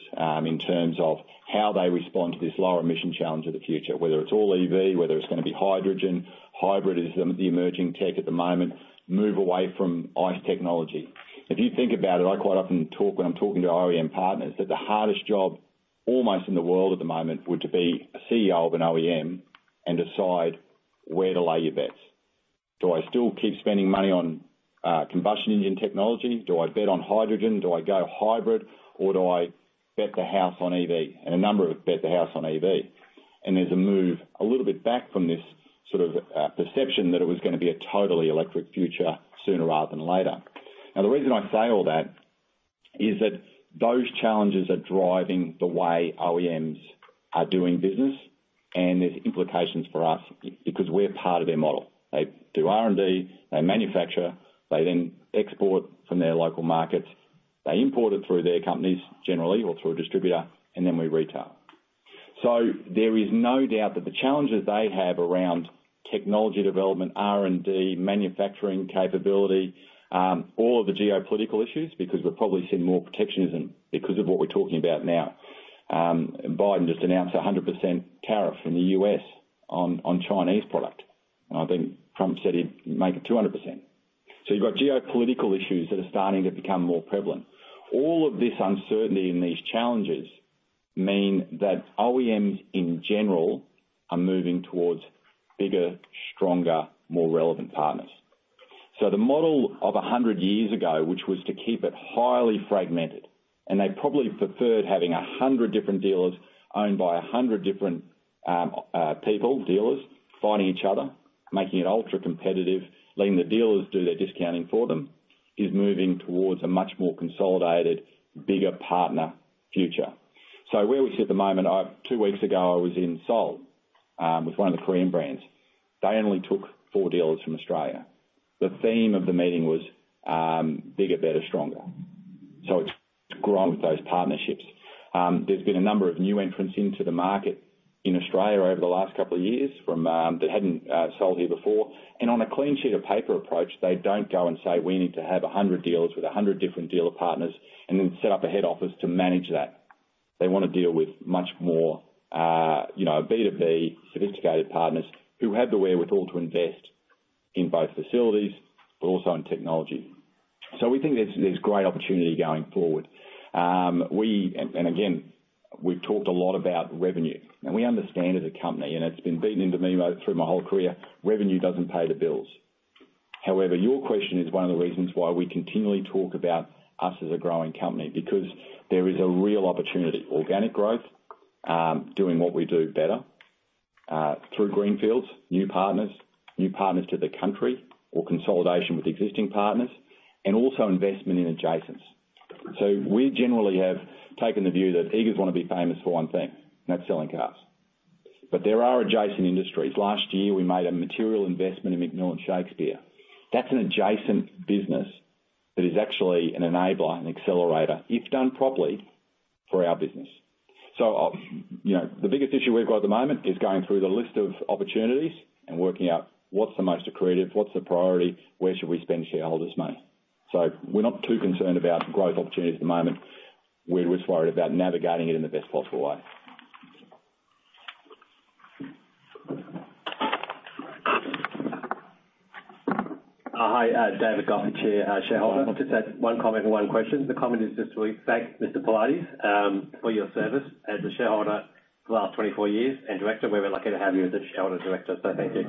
in terms of how they respond to this lower emission challenge of the future, whether it's all EV, whether it's gonna be hydrogen, hybrid is the emerging tech at the moment, move away from ICE technology. If you think about it, I quite often talk when I'm talking to OEM partners, that the hardest job, almost in the world at the moment, would to be a CEO of an OEM and decide where to lay your bets. Do I still keep spending money on, combustion engine technology? Do I bet on hydrogen? Do I go hybrid, or do I bet the house on EV? And a number have bet the house on EV. And there's a move a little bit back from this sort of, perception that it was gonna be a totally electric future sooner rather than later.... Now, the reason I say all that, is that those challenges are driving the way OEMs are doing business, and there's implications for us because we're part of their model. They do R&D, they manufacture, they then export from their local markets, they import it through their companies generally or through a distributor, and then we retail. So there is no doubt that the challenges they have around technology development, R&D, manufacturing capability, all of the geopolitical issues, because we're probably seeing more protectionism because of what we're talking about now. And Biden just announced a 100% tariff in the U.S. on, on Chinese product. I think Trump said he'd make it 200%. So you've got geopolitical issues that are starting to become more prevalent. All of this uncertainty and these challenges mean that OEMs in general are moving towards bigger, stronger, more relevant partners. So the model of 100 years ago, which was to keep it highly fragmented, and they probably preferred having 100 different dealers owned by 100 different, people, dealers, fighting each other, making it ultra-competitive, letting the dealers do their discounting for them, is moving towards a much more consolidated, bigger partner future. So where we sit at the moment, two weeks ago, I was in Seoul, with one of the Korean brands. The theme of the meeting was, bigger, better, stronger. So it's grown with those partnerships. There's been a number of new entrants into the market in Australia over the last couple of years from, that hadn't, sold here before. On a clean sheet of paper approach, they don't go and say, "We need to have 100 dealers with 100 different dealer partners," and then set up a head office to manage that. They want to deal with much more, you know, B2B, sophisticated partners who have the wherewithal to invest in both facilities but also in technology. So we think there's great opportunity going forward. And again, we've talked a lot about revenue, and we understand as a company, and it's been beaten into me through my whole career, revenue doesn't pay the bills. However, your question is one of the reasons why we continually talk about us as a growing company, because there is a real opportunity, organic growth, doing what we do better, through greenfields, new partners, new partners to the country or consolidation with existing partners, and also investment in adjacents. So we generally have taken the view that Eagers want to be famous for one thing, and that's selling cars. But there are adjacent industries. Last year, we made a material investment in McMillan Shakespeare. That's an adjacent business that is actually an enabler and accelerator, if done properly, for our business. So, you know, the biggest issue we've got at the moment is going through the list of opportunities and working out what's the most accretive, what's the priority, where should we spend shareholders' money? So we're not too concerned about growth opportunities at the moment. We're just worried about navigating it in the best possible way. Hi, David Goff, the chair, shareholder. I'll just add one comment and one question. The comment is just to thank Mr Politis, for your service as a shareholder for the last 24 years, and director. We're very lucky to have you as a shareholder director, so thank you.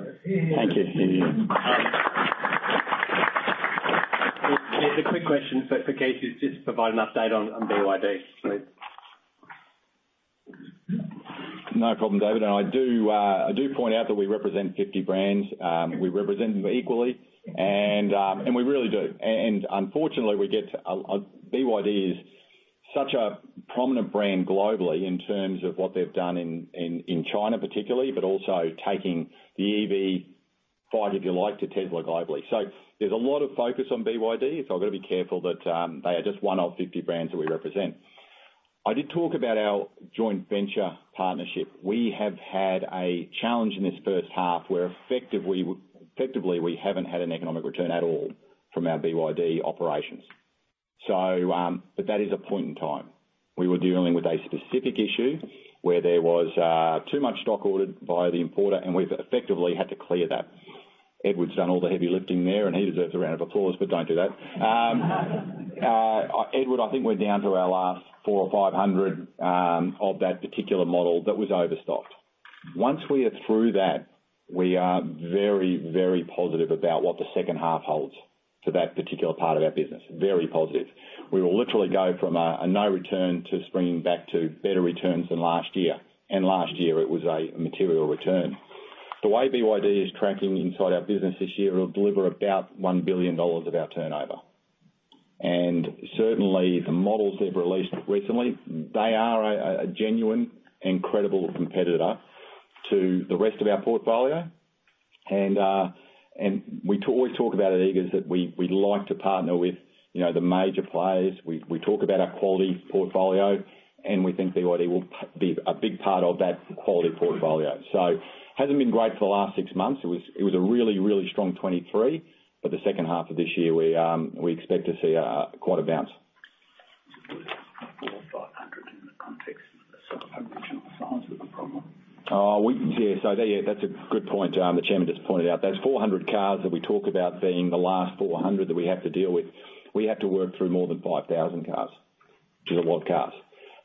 Thank you. Just a quick question for Keith, provide an update on BYD, please. No problem, David, and I do point out that we represent 50 brands. We represent them equally, and we really do. Unfortunately, we get a BYD is such a prominent brand globally in terms of what they've done in China particularly, but also taking the EV fight, if you like, to Tesla globally. So there's a lot of focus on BYD, so I've got to be careful that they are just one of 50 brands that we represent. I did talk about our joint venture partnership. We have had a challenge in this first half, where effectively we haven't had an economic return at all from our BYD operations. So, but that is a point in time. We were dealing with a specific issue where there was too much stock ordered by the importer, and we've effectively had to clear that. Edward's done all the heavy lifting there, and he deserves a round of applause, but don't do that. Edward, I think we're down to our last 400 or 500 of that particular model that was overstocked. Once we are through that, we are very, very positive about what the second half holds for that particular part of our business. Very positive. We will literally go from a no return to springing back to better returns than last year, and last year it was a material return. The way BYD is tracking inside our business this year, it will deliver about 1 billion dollars of our turnover. Certainly, the models they've released recently, they are a genuine, incredible competitor to the rest of our portfolio. And we always talk about at Eagers that we like to partner with, you know, the major players. We talk about our quality portfolio, and we think BYD will be a big part of that quality portfolio. So hasn't been great for the last six months. It was a really, really strong 2023, but the second half of this year, we expect to see quite a bounce. 400 or 500 in the context of the original size of the problem? Yeah, so there, that's a good point. The chairman just pointed out those 400 cars that we talk about being the last 400 that we have to deal with. We have to work through more than 5,000 cars. These are what cars?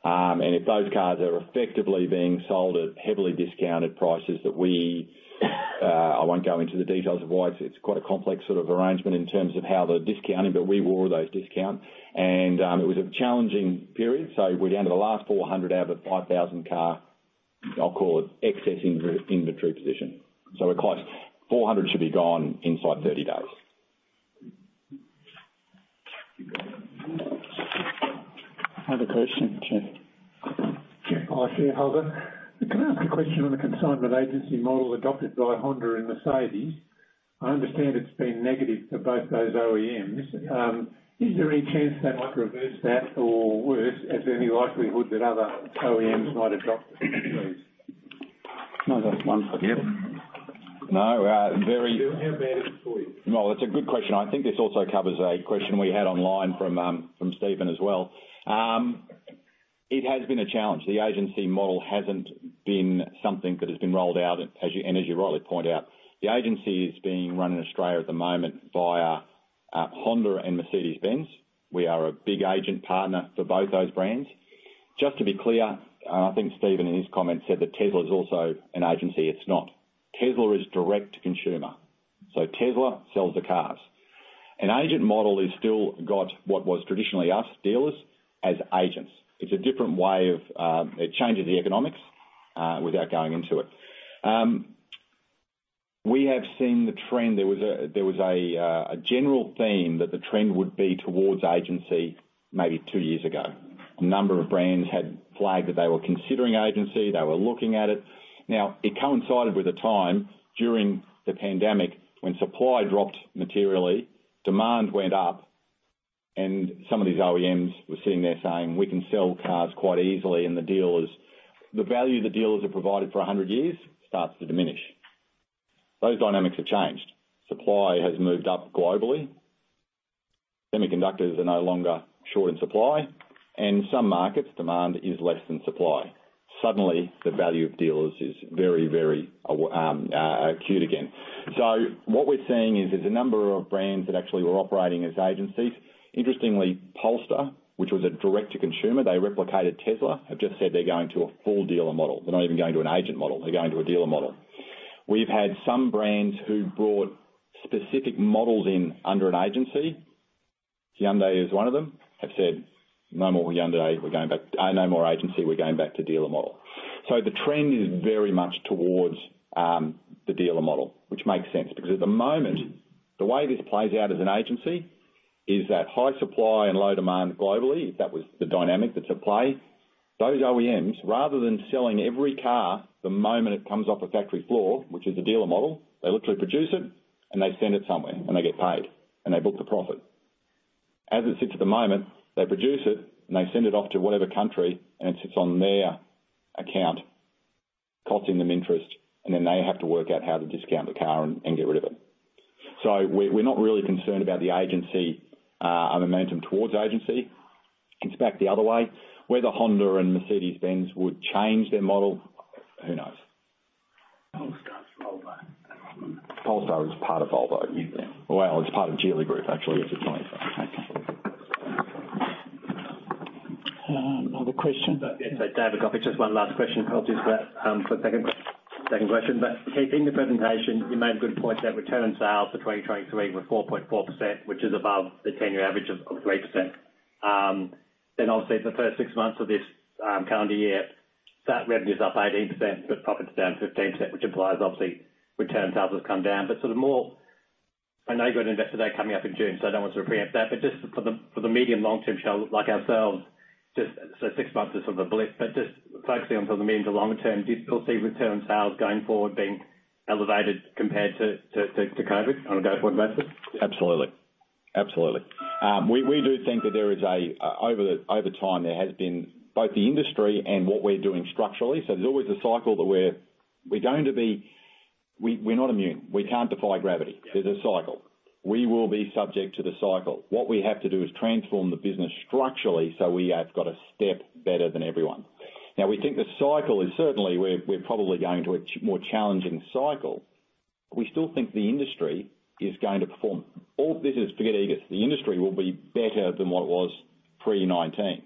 And if those cars are effectively being sold at heavily discounted prices that we, I won't go into the details of why. It's, it's quite a complex sort of arrangement in terms of how they're discounted, but we wore those discounts, and it was a challenging period, so we're down to the last 400 out of a 5,000 car inventory position. So we're close. 400 should be gone inside 30 days. I have a question, Chair. Hi, shareholder. Can I ask a question on the consignment agency model adopted by Honda and Mercedes? I understand it's been negative for both those OEMs. Is there any chance they might reverse that? Or worse, is there any likelihood that other OEMs might adopt it, please? No, very- How bad is it for you? No, it's a good question. I think this also covers a question we had online from Stephen as well. It has been a challenge. The agency model hasn't been something that has been rolled out, and as you rightly point out, the agency is being run in Australia at the moment by Honda and Mercedes-Benz. We are a big agent partner for both those brands. Just to be clear, I think Stephen, in his comments, said that Tesla is also an agency. It's not. Tesla is direct to consumer, so Tesla sells the cars. An agent model is still got what was traditionally us, dealers, as agents. It's a different way of. It changes the economics without going into it. We have seen the trend. There was a general theme that the trend would be towards agency, maybe two years ago. A number of brands had flagged that they were considering agency. They were looking at it. Now, it coincided with a time during the pandemic when supply dropped materially, demand went up, and some of these OEMs were sitting there saying, "We can sell cars quite easily," and the dealers... The value the dealers have provided for 100 years starts to diminish. Those dynamics have changed. Supply has moved up globally. Semiconductors are no longer short in supply, and in some markets, demand is less than supply. Suddenly, the value of dealers is very, very acute again. So what we're seeing is, there's a number of brands that actually were operating as agencies. Interestingly, Polestar, which was a direct to consumer, they replicated Tesla, have just said they're going to a full dealer model. They're not even going to an agency model. They're going to a dealer model. We've had some brands who brought specific models in under an agency, Hyundai is one of them, have said, "No more Hyundai. We're going back—no more agency, we're going back to dealer model." So the trend is very much towards the dealer model, which makes sense, because at the moment, the way this plays out as an agency is that high supply and low demand globally, that was the dynamic that's at play. Those OEMs, rather than selling every car the moment it comes off the factory floor, which is the dealer model, they literally produce it, and they send it somewhere, and they get paid, and they book the profit. As it sits at the moment, they produce it, and they send it off to whatever country, and it sits on their account, costing them interest, and then they have to work out how to discount the car and get rid of it. So we're not really concerned about the agency, a momentum towards agency. It's back the other way. Whether Honda and Mercedes-Benz would change their model, who knows? Polestar, Volvo. Polestar is part of Volvo. Yeah. Well, it's part of Geely Group, actually. It's... Another question. Yeah, David, just one last question. I'll just for a second second question, but in the presentation, you made a good point that return on sales for 2023 were 4.4%, which is above the 10-year average of 3%. Then obviously, the first six months of this calendar year, that revenue's up 18%, but profit's down 15%, which implies, obviously, return on sales has come down. But sort of more... I know you've got an investor day coming up in June, so I don't want to pre-empt that, but just for the medium to long-term, so like ourselves, just so six months is sort of a blip, but just focusing on for the medium to longer term, do you still see return on sales going forward being elevated compared to COVID on a go-forward basis? Absolutely. Absolutely. We, we do think that there is a over time, there has been both the industry and what we're doing structurally, so there's always a cycle that we're, we're going to be... We, we're not immune. We can't defy gravity. Yeah. There's a cycle. We will be subject to the cycle. What we have to do is transform the business structurally, so we have got a step better than everyone. Now, we think the cycle is certainly probably going to a more challenging cycle. We still think the industry is going to perform. All businesses, forget Eagers, the industry will be better than what it was pre-2019.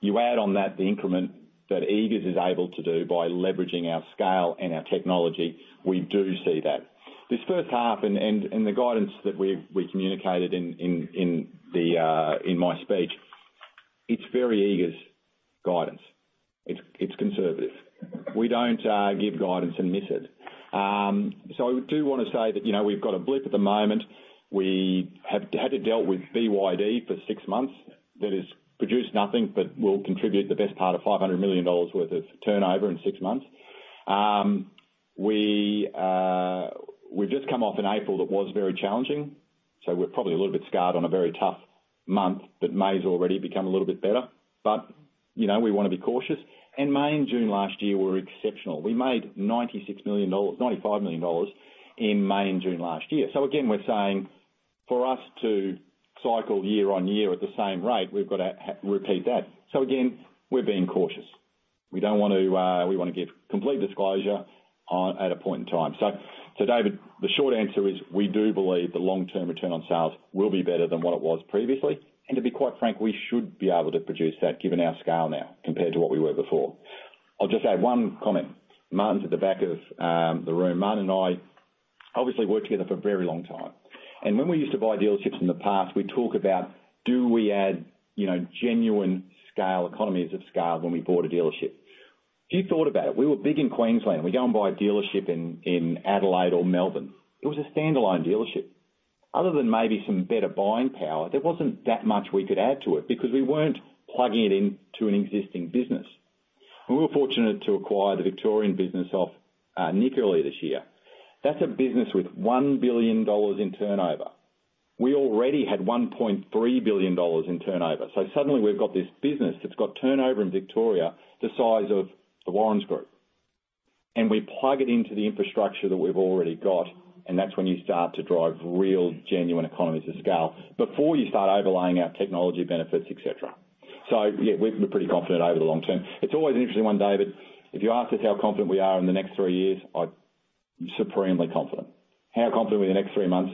You add on that the increment that Eagers is able to do by leveraging our scale and our technology, we do see that. This first half the guidance that we communicated in my speech, it's very Eagers guidance. It's conservative. We don't give guidance and miss it. So I do want to say that, you know, we've got a blip at the moment. We have had to deal with BYD for six months, that has produced nothing, but will contribute the best part of 500 million dollars worth of turnover in six months. We, we've just come off an April that was very challenging, so we're probably a little bit scarred on a very tough month, but May's already become a little bit better. But, you know, we want to be cautious, and May and June last year were exceptional. We made 96 million dollars-- 95 million dollars in May and June last year. So again, we're saying, for us to cycle year-on-year at the same rate, we've got to repeat that. So again, we're being cautious. We don't want to. We want to give complete disclosure at a point in time. So, so David, the short answer is, we do believe the long-term return on sales will be better than what it was previously, and to be quite frank, we should be able to produce that, given our scale now, compared to what we were before. I'll just add one comment. Martin's at the back of the room. Martin and I obviously worked together for a very long time, and when we used to buy dealerships in the past, we'd talk about, do we add, you know, genuine scale, economies of scale when we bought a dealership? If you thought about it, we were big in Queensland. We go and buy a dealership in Adelaide or Melbourne. It was a standalone dealership. Other than maybe some better buying power, there wasn't that much we could add to it because we weren't plugging it into an existing business. We were fortunate to acquire the Victorian business off Nick earlier this year. That's a business with 1 billion dollars in turnover. We already had 1.3 billion dollars in turnover. So suddenly we've got this business that's got turnover in Victoria, the size of the Peter Warren Group. And we plug it into the infrastructure that we've already got, and that's when you start to drive real, genuine economies of scale before you start overlaying our technology benefits, et cetera. So yeah, we've been pretty confident over the long term. It's always an interesting one, David. If you ask us how confident we are in the next three years, I'm supremely confident. How confident are we in the next three months?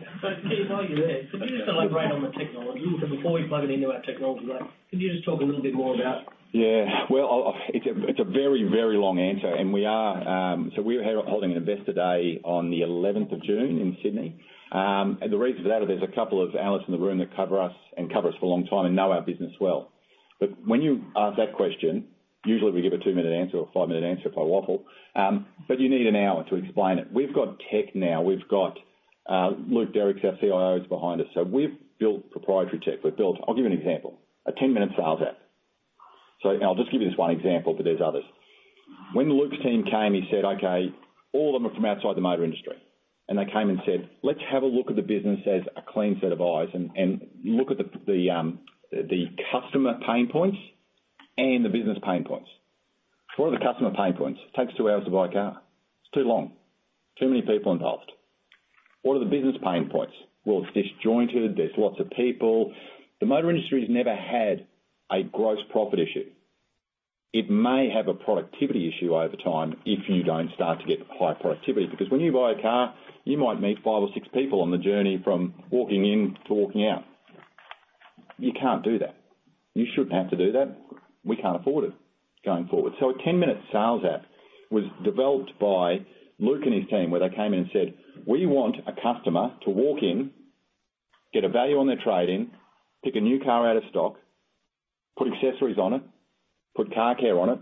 Who knows? So, Keith, while you're there, could you just elaborate on the technology? Before we plug it into our technology, can you just talk a little bit more about- Yeah. Well, It's a, it's a very, very long answer, and we are, so we're here holding an investor day on the eleventh of June in Sydney. And the reason for that is there's a couple of analysts in the room that cover us and cover us for a long time and know our business well. But when you ask that question, usually we give a two-minute answer or a five-minute answer if I waffle, but you need an hour to explain it. We've got tech now. We've got, Luke Derrick, our CIO, is behind us. So we've built proprietary tech. We've built... I'll give you an example, a 10-minute sales app. So I'll just give you this one example, but there's others. When Luke's team came, he said, "Okay," all of them are from outside the motor industry, and they came and said, "Let's have a look at the business as a clean set of eyes and look at the customer pain points and the business pain points." What are the customer pain points? It takes two hours to buy a car. It's too long, too many people involved. What are the business pain points? Well, it's disjointed. There's lots of people. The motor industry has never had a gross profit issue. It may have a productivity issue over time if you don't start to get high productivity, because when you buy a car, you might meet five or six people on the journey from walking in to walking out. You can't do that. You shouldn't have to do that. We can't afford it going forward. So a 10-minute sales app was developed by Luke and his team, where they came in and said, "We want a customer to walk in, get a value on their trade-in, pick a new car out of stock, put accessories on it, put car care on it,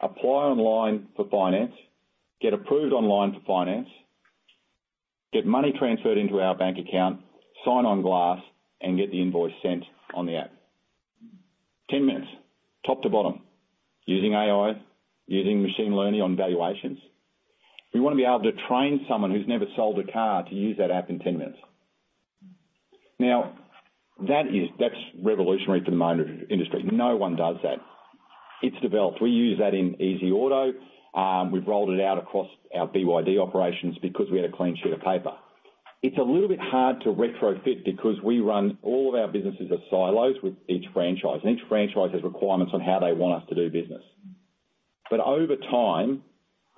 apply online for finance, get approved online for finance, get money transferred into our bank account, sign on glass, and get the invoice sent on the app." 10 minutes, top to bottom, using AI, using machine learning on valuations. We want to be able to train someone who's never sold a car to use that app in 10 minutes. Now, that's revolutionary for the motor industry. No one does that. It's developed. We use that in Easy Auto. We've rolled it out across our BYD operations because we had a clean sheet of paper. It's a little bit hard to retrofit because we run all of our businesses as silos with each franchise, and each franchise has requirements on how they want us to do business. But over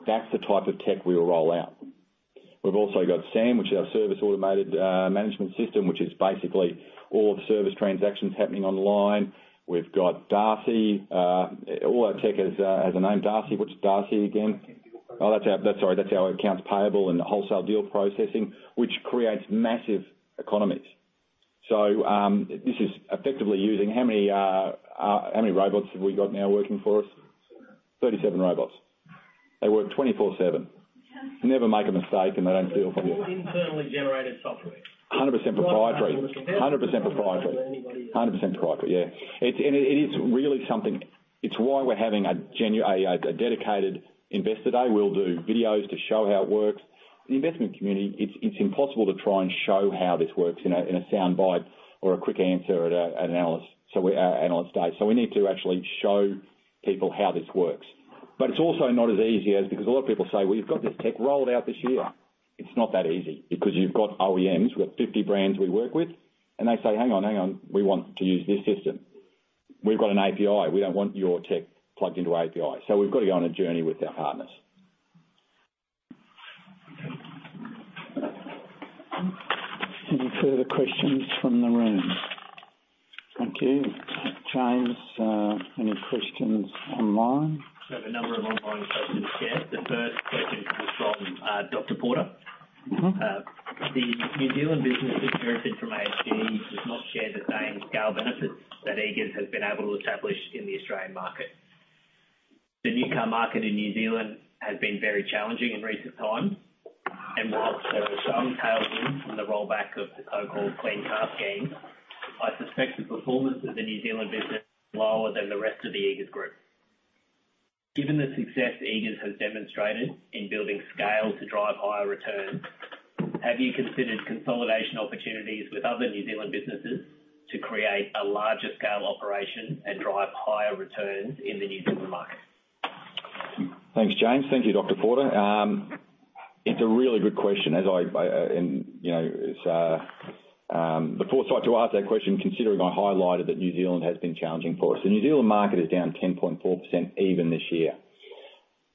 time, that's the type of tech we will roll out. We've also got SAM, which is our service automated management system, which is basically all of the service transactions happening online. We've got Darcy, all our tech has a name. Darcy, what's Darcy again? Oh, that's our - sorry, that's our accounts payable and wholesale deal processing, which creates massive economies. So, this is effectively using how many robots have we got now working for us? 37 robots. They work 24/7. They never make a mistake, and they don't feel- All internally generated software? 100% proprietary. 100% proprietary. 100% proprietary, yeah. It's, and it is really something... It's why we're having a genuine, a dedicated investor day. We'll do videos to show how it works. The investment community, it's, it's impossible to try and show how this works in a, in a soundbite or a quick answer at a, at an analyst day. So we need to actually show people how this works. But it's also not as easy as, because a lot of people say, "Well, you've got this tech rolled out this year." It's not that easy because you've got OEMs, we've got 50 brands we work with, and they say, "Hang on, hang on, we want to use this system. We've got an API. We don't want your tech plugged into API." So we've got to go on a journey with our partners. Any further questions from the room? Thank you. James, any questions online? We have a number of online questions, yeah. The first question is from Dr. Porter. Mm-hmm. The New Zealand business, inherited from AHG, does not share the same scale benefits that Eagers has been able to establish in the Australian market. The new car market in New Zealand has been very challenging in recent times, and while there are some tailwinds from the rollback of the so-called Clean Car Scheme, I suspect the performance of the New Zealand business is lower than the rest of the Eagers Group. Given the success Eagers has demonstrated in building scale to drive higher returns, have you considered consolidation opportunities with other New Zealand businesses to create a larger scale operation and drive higher returns in the New Zealand market? Thanks, James. Thank you, Dr. Porter. It's a really good question. You know, the foresight to ask that question, considering I highlighted that New Zealand has been challenging for us. The New Zealand market is down 10.4% even this year.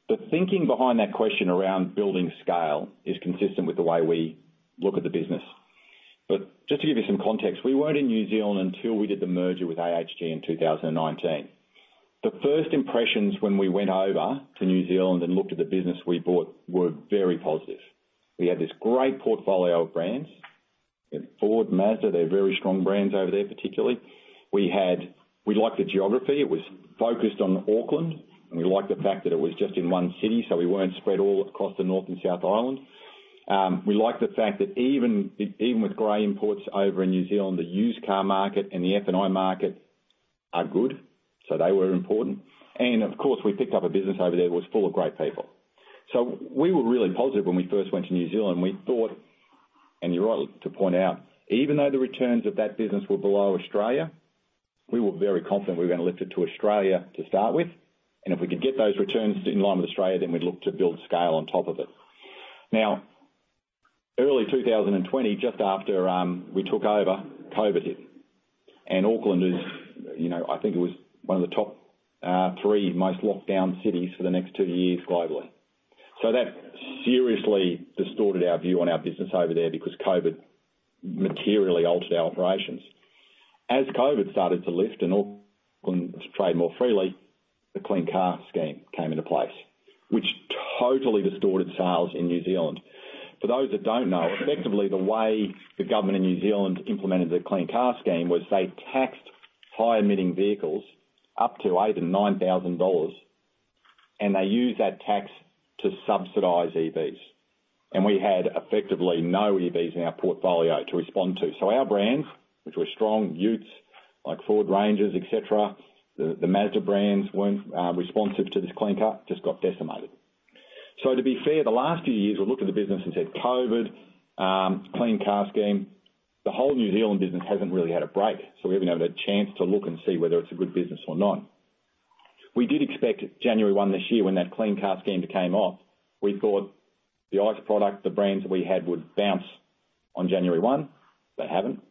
The thinking behind that question around building scale is consistent with the way we look at the business.... But just to give you some context, we weren't in New Zealand until we did the merger with AHG in 2019. The first impressions when we went over to New Zealand and looked at the business we bought, were very positive. We had this great portfolio of brands. We had Ford, Mazda, they're very strong brands over there, particularly. We liked the geography. It was focused on Auckland, and we liked the fact that it was just in one city, so we weren't spread all across the North Island and South Island. We liked the fact that even, even with gray imports over in New Zealand, the used car market and the F&I market are good, so they were important. And of course, we picked up a business over there that was full of great people. So we were really positive when we first went to New Zealand. We thought, and you're right to point out, even though the returns of that business were below Australia, we were very confident we were going to lift it to Australia to start with, and if we could get those returns in line with Australia, then we'd look to build scale on top of it. Now, early 2020, just after we took over, COVID hit. Auckland is, you know, I think it was one of the top three most locked down cities for the next two years globally. That seriously distorted our view on our business over there because COVID materially altered our operations. As COVID started to lift and Auckland to trade more freely, the Clean Car Scheme came into place, which totally distorted sales in New Zealand. For those that don't know, effectively, the way the government in New Zealand implemented the Clean Car Scheme was they taxed high-emitting vehicles up to 8,000-9,000 dollars, and they used that tax to subsidize EVs. We had effectively no EVs in our portfolio to respond to. So our brands, which were strong utes, like Ford Rangers, et cetera, the Mazda brands weren't responsive to this clean car, just got decimated. So to be fair, the last few years, we've looked at the business and said, "COVID, Clean Car Scheme," the whole New Zealand business hasn't really had a break, so we haven't had a chance to look and see whether it's a good business or not. We did expect January 1 this year, when that Clean Car Scheme came off, we thought the ICE product, the brands that we had, would bounce on January 1. They haven't.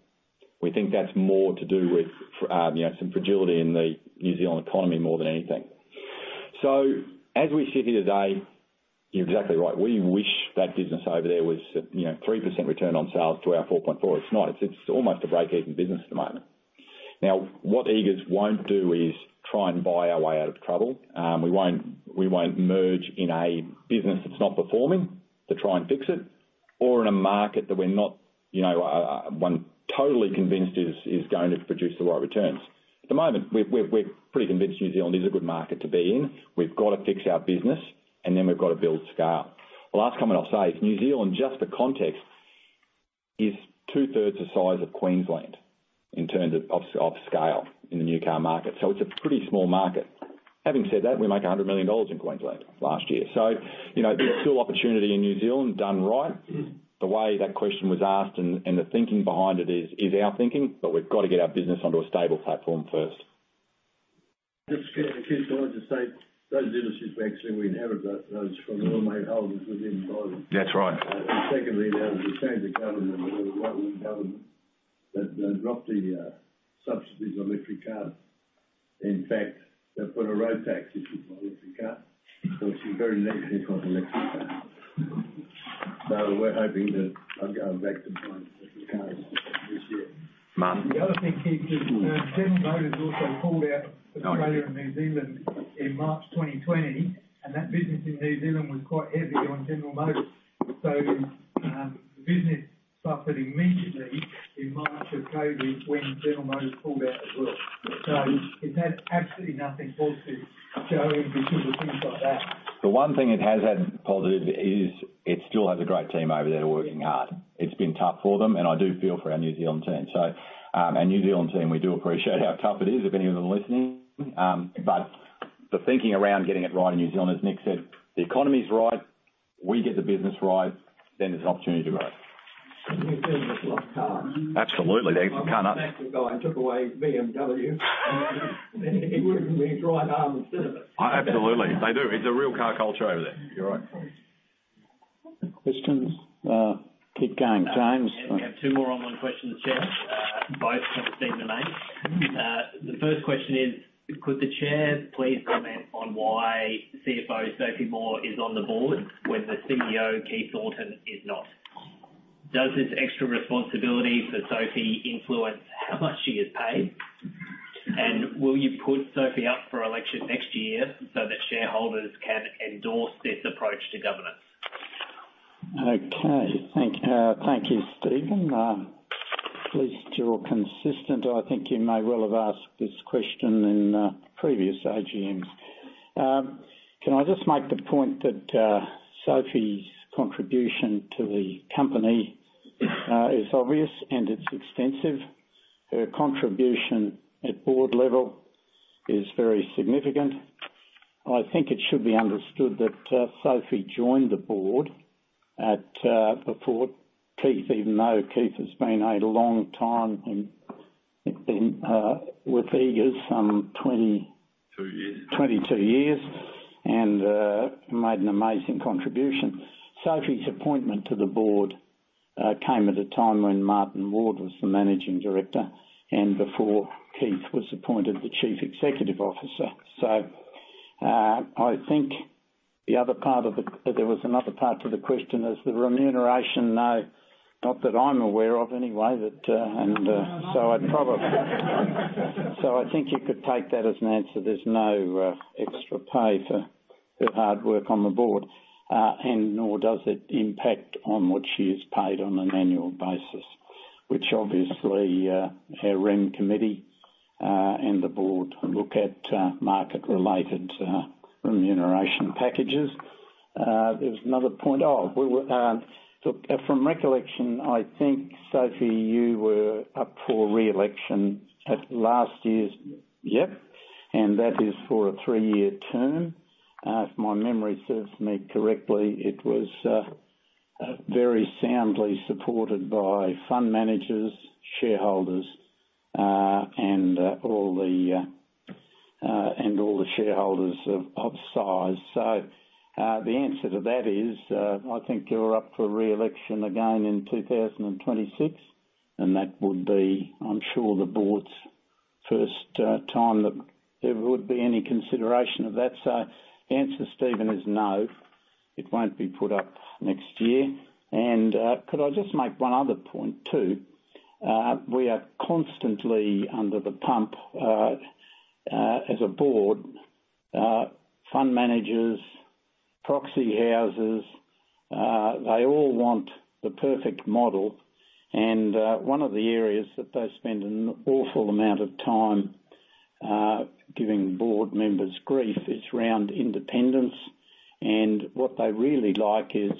We think that's more to do with, you know, some fragility in the New Zealand economy more than anything. So as we sit here today, you're exactly right. We wish that business over there was, you know, 3% return on sales to our 4.4. It's not. It's, it's almost a break-even business at the moment. Now, what Eagers won't do is try and buy our way out of trouble. We won't, we won't merge in a business that's not performing to try and fix it, or in a market that we're not, you know, one- totally convinced is going to produce the right returns. At the moment, we're pretty convinced New Zealand is a good market to be in. We've got to fix our business, and then we've got to build scale. The last comment I'll say is New Zealand, just for context, is two-thirds the size of Queensland in terms of scale in the new car market. So it's a pretty small market. Having said that, we make 100 million dollars in Queensland last year. So, you know, there's still opportunity in New Zealand done right. The way that question was asked and the thinking behind it is our thinking, but we've got to get our business onto a stable platform first. Just, Keith, I want to say, those businesses, actually, we inherited those from AHG, my holdings within BYD. That's right. And secondly, now, the change of government, the new government, that they dropped the subsidies on electric cars. In fact, they've put a road tax if you buy an electric car, so it's very negative on electric cars. So we're hoping that I'll, I'll make some money on electric cars this year. Martin? The other thing, Keith, is, General Motors also called out Australia and New Zealand in March 2020, and that business in New Zealand was quite heavy on General Motors. So, business suffered immediately in March of COVID when General Motors pulled out as well. So it had absolutely nothing positive showing because of things like that. The one thing it has had positive is it still has a great team over there that are working hard. It's been tough for them, and I do feel for our New Zealand team. So, our New Zealand team, we do appreciate how tough it is, if any of them are listening. But the thinking around getting it right in New Zealand, as Nick said, "The economy's right, we get the business right, then there's an opportunity to grow. New Zealanders like cars. Absolutely. The guy took away BMW. He wouldn't leave his right arm instead of it. Absolutely. They do. It's a real car culture over there. You're right. Questions? Keep going, James. We have two more online questions, Chair. Both from Stephen Mayne. The first question is: Could the Chair please comment on why CFO Sophie Moore is on the board, when the CEO, Keith Thornton, is not? Does this extra responsibility for Sophie influence how much she is paid? And will you put Sophie up for election next year so that shareholders can endorse this approach to governance? Okay. Thank you, Stephen. At least you're all consistent. I think you may well have asked this question in previous AGMs. Can I just make the point that Sophie's contribution to the company is obvious, and it's extensive. Her contribution at board level is very significant. I think it should be understood that Sophie joined the board before Keith, even though Keith has been a long time and been with Eagers some 20- Two years. 22 years, and made an amazing contribution. Sophie's appointment to the board came at a time when Martin Ward was the managing director and before Keith was appointed the Chief Executive Officer. So, I think the other part of the question. Is the remuneration? No, not that I'm aware of anyway, that, and so I'd probably so I think you could take that as an answer. There's no extra pay for hard work on the board. And nor does it impact on what she is paid on an annual basis, which obviously her Rem committee and the board look at market-related remuneration packages. There's another point. Oh, we were. Look, from recollection, I think Sophie, you were up for re-election at last year's... Yep, and that is for a three-year term. If my memory serves me correctly, it was very soundly supported by fund managers, shareholders, and all the shareholders of size. So the answer to that is, I think you're up for re-election again in 2026, and that would be, I'm sure, the board's first time that there would be any consideration of that. So the answer, Stephen, is no, it won't be put up next year. And could I just make one other point, too? We are constantly under the pump as a board, fund managers, proxy houses, they all want the perfect model, and one of the areas that they spend an awful amount of time giving board members grief is around independence. And what they really like is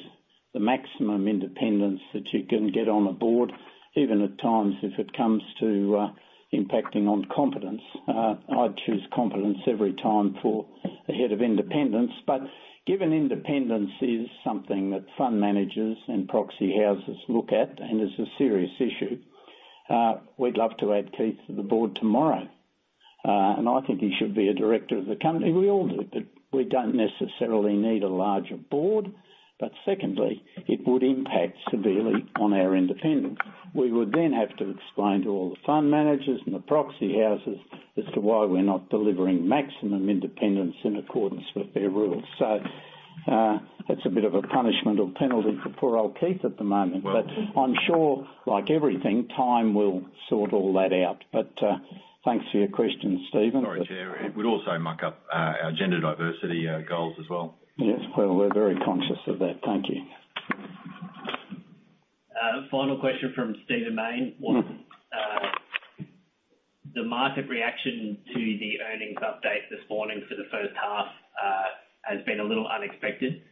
the maximum independence that you can get on a board, even at times if it comes to, impacting on competence. I'd choose competence every time for ahead of independence. But given independence is something that fund managers and proxy houses look at, and is a serious issue, we'd love to add Keith to the board tomorrow. And I think he should be a director of the company. We all do, but we don't necessarily need a larger board. But secondly, it would impact severely on our independence. We would then have to explain to all the fund managers and the proxy houses as to why we're not delivering maximum independence in accordance with their rules. So, that's a bit of a punishment or penalty for poor old Keith at the moment- Well- But I'm sure, like everything, time will sort all that out. But thanks for your question, Stephen. Sorry, Chair. It would also muck up our gender diversity goals as well. Yes, well, we're very conscious of that. Thank you. Final question from Stephen Mayne. Mm-hmm. The market reaction to the earnings update this morning for the first half has been a little unexpected.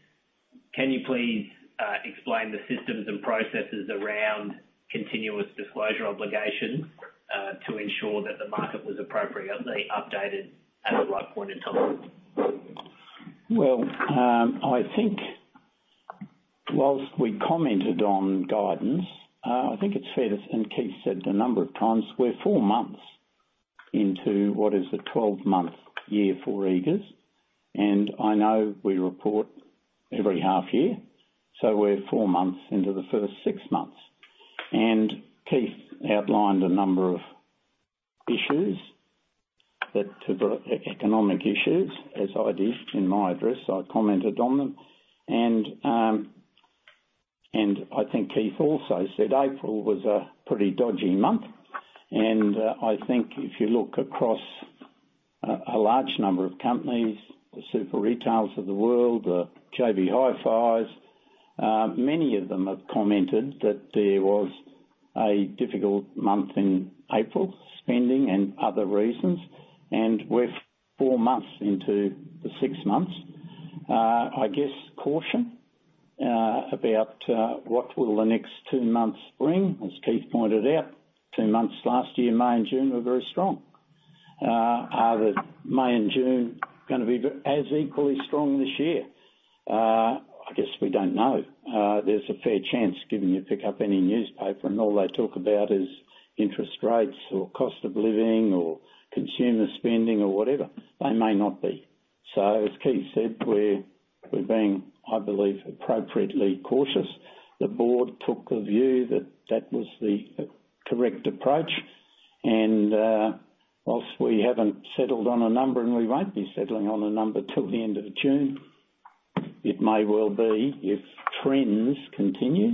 Can you please explain the systems and processes around continuous disclosure obligations to ensure that the market was appropriately updated at the right point in time? Well, I think while we commented on guidance, I think it's fair to say, and Keith said it a number of times, we're four months into what is a 12-month year for Eagers, and I know we report every half year, so we're four months into the first six months. And Keith outlined a number of issues that economic issues, as I did in my address, I commented on them, and I think Keith also said April was a pretty dodgy month. And I think if you look across a large number of companies, the Super Retails of the world, the JB Hi-Fis, many of them have commented that there was a difficult month in April, spending and other reasons. And we're four months into the six months. I guess caution about what will the next two months bring, as Keith pointed out, two months last year, May and June, were very strong. Are the May and June gonna be as equally strong this year? I guess we don't know. There's a fair chance, given you pick up any newspaper and all they talk about is interest rates or cost of living or consumer spending or whatever, they may not be. So as Keith said, we're being, I believe, appropriately cautious. The board took the view that that was the correct approach, and whilst we haven't settled on a number, and we won't be settling on a number till the end of June, it may well be, if trends continue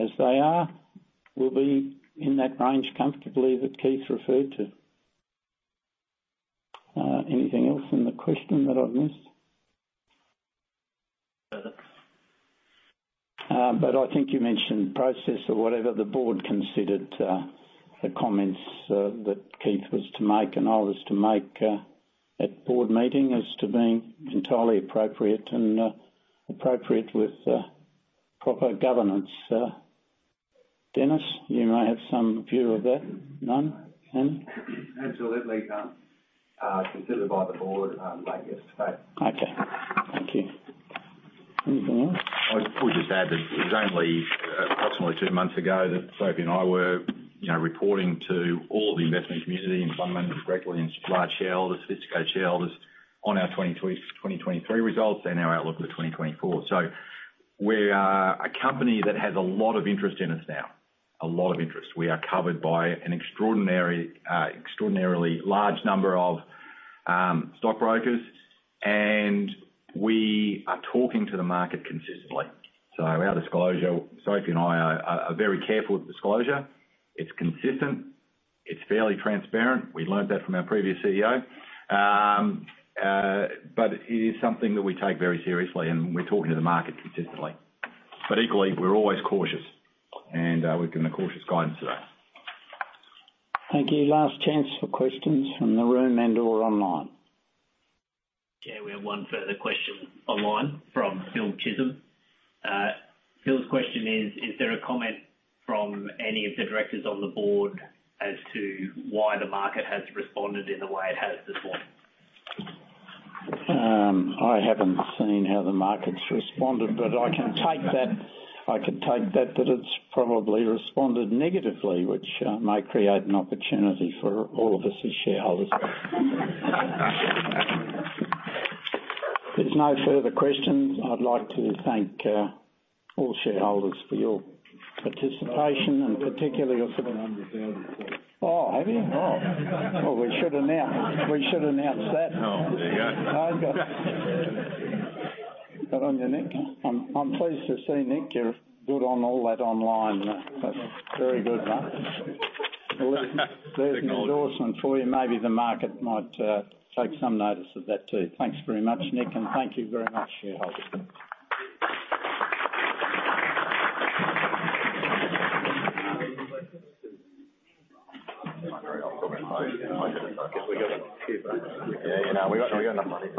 as they are, we'll be in that range comfortably, that Keith referred to. Anything else in the question that I've missed? Uh- But I think you mentioned process or whatever the board considered, the comments that Keith was to make and I was to make, at the board meeting as to being entirely appropriate and appropriate with proper governance. Denis, you may have some view of that. None? None. Absolutely none. Considered by the board, late yesterday. Okay. Thank you. Anything else? I would just add that it was only approximately two months ago that Sophie and I were, you know, reporting to all the investment community and fund managers directly, and large shareholders, physical shareholders, on our 2023 results and our outlook for 2024. We are a company that has a lot of interest in us now, a lot of interest. We are covered by an extraordinary, extraordinarily large number of stockbrokers, and we are talking to the market consistently. So our disclosure, Sophie and I are very careful with disclosure. It's consistent. It's fairly transparent. We learned that from our previous CEO. But it is something that we take very seriously, and we're talking to the market consistently. But equally, we're always cautious, and we've given a cautious guidance today. Thank you. Last chance for questions from the room and/or online. Yeah, we have one further question online from Phil Chisholm. Phil's question is: Is there a comment from any of the directors on the board as to why the market has responded in the way it has this morning? I haven't seen how the market's responded, but I can take that, I can take that it's probably responded negatively, which may create an opportunity for all of us as shareholders. If there's no further questions, I'd like to thank all shareholders for your participation, and particularly your- 700 thousand. Oh, have you? Oh. Well, we should announce, we should announce that. Oh, there you go. Good on you, Nick. I'm pleased to see, Nick, you're good on all that online. That's very good, huh? Well, there's an endorsement for you. Maybe the market might take some notice of that, too. Thanks very much, Nick, and thank you very much, shareholders. Yeah, you know, we got, we got enough money.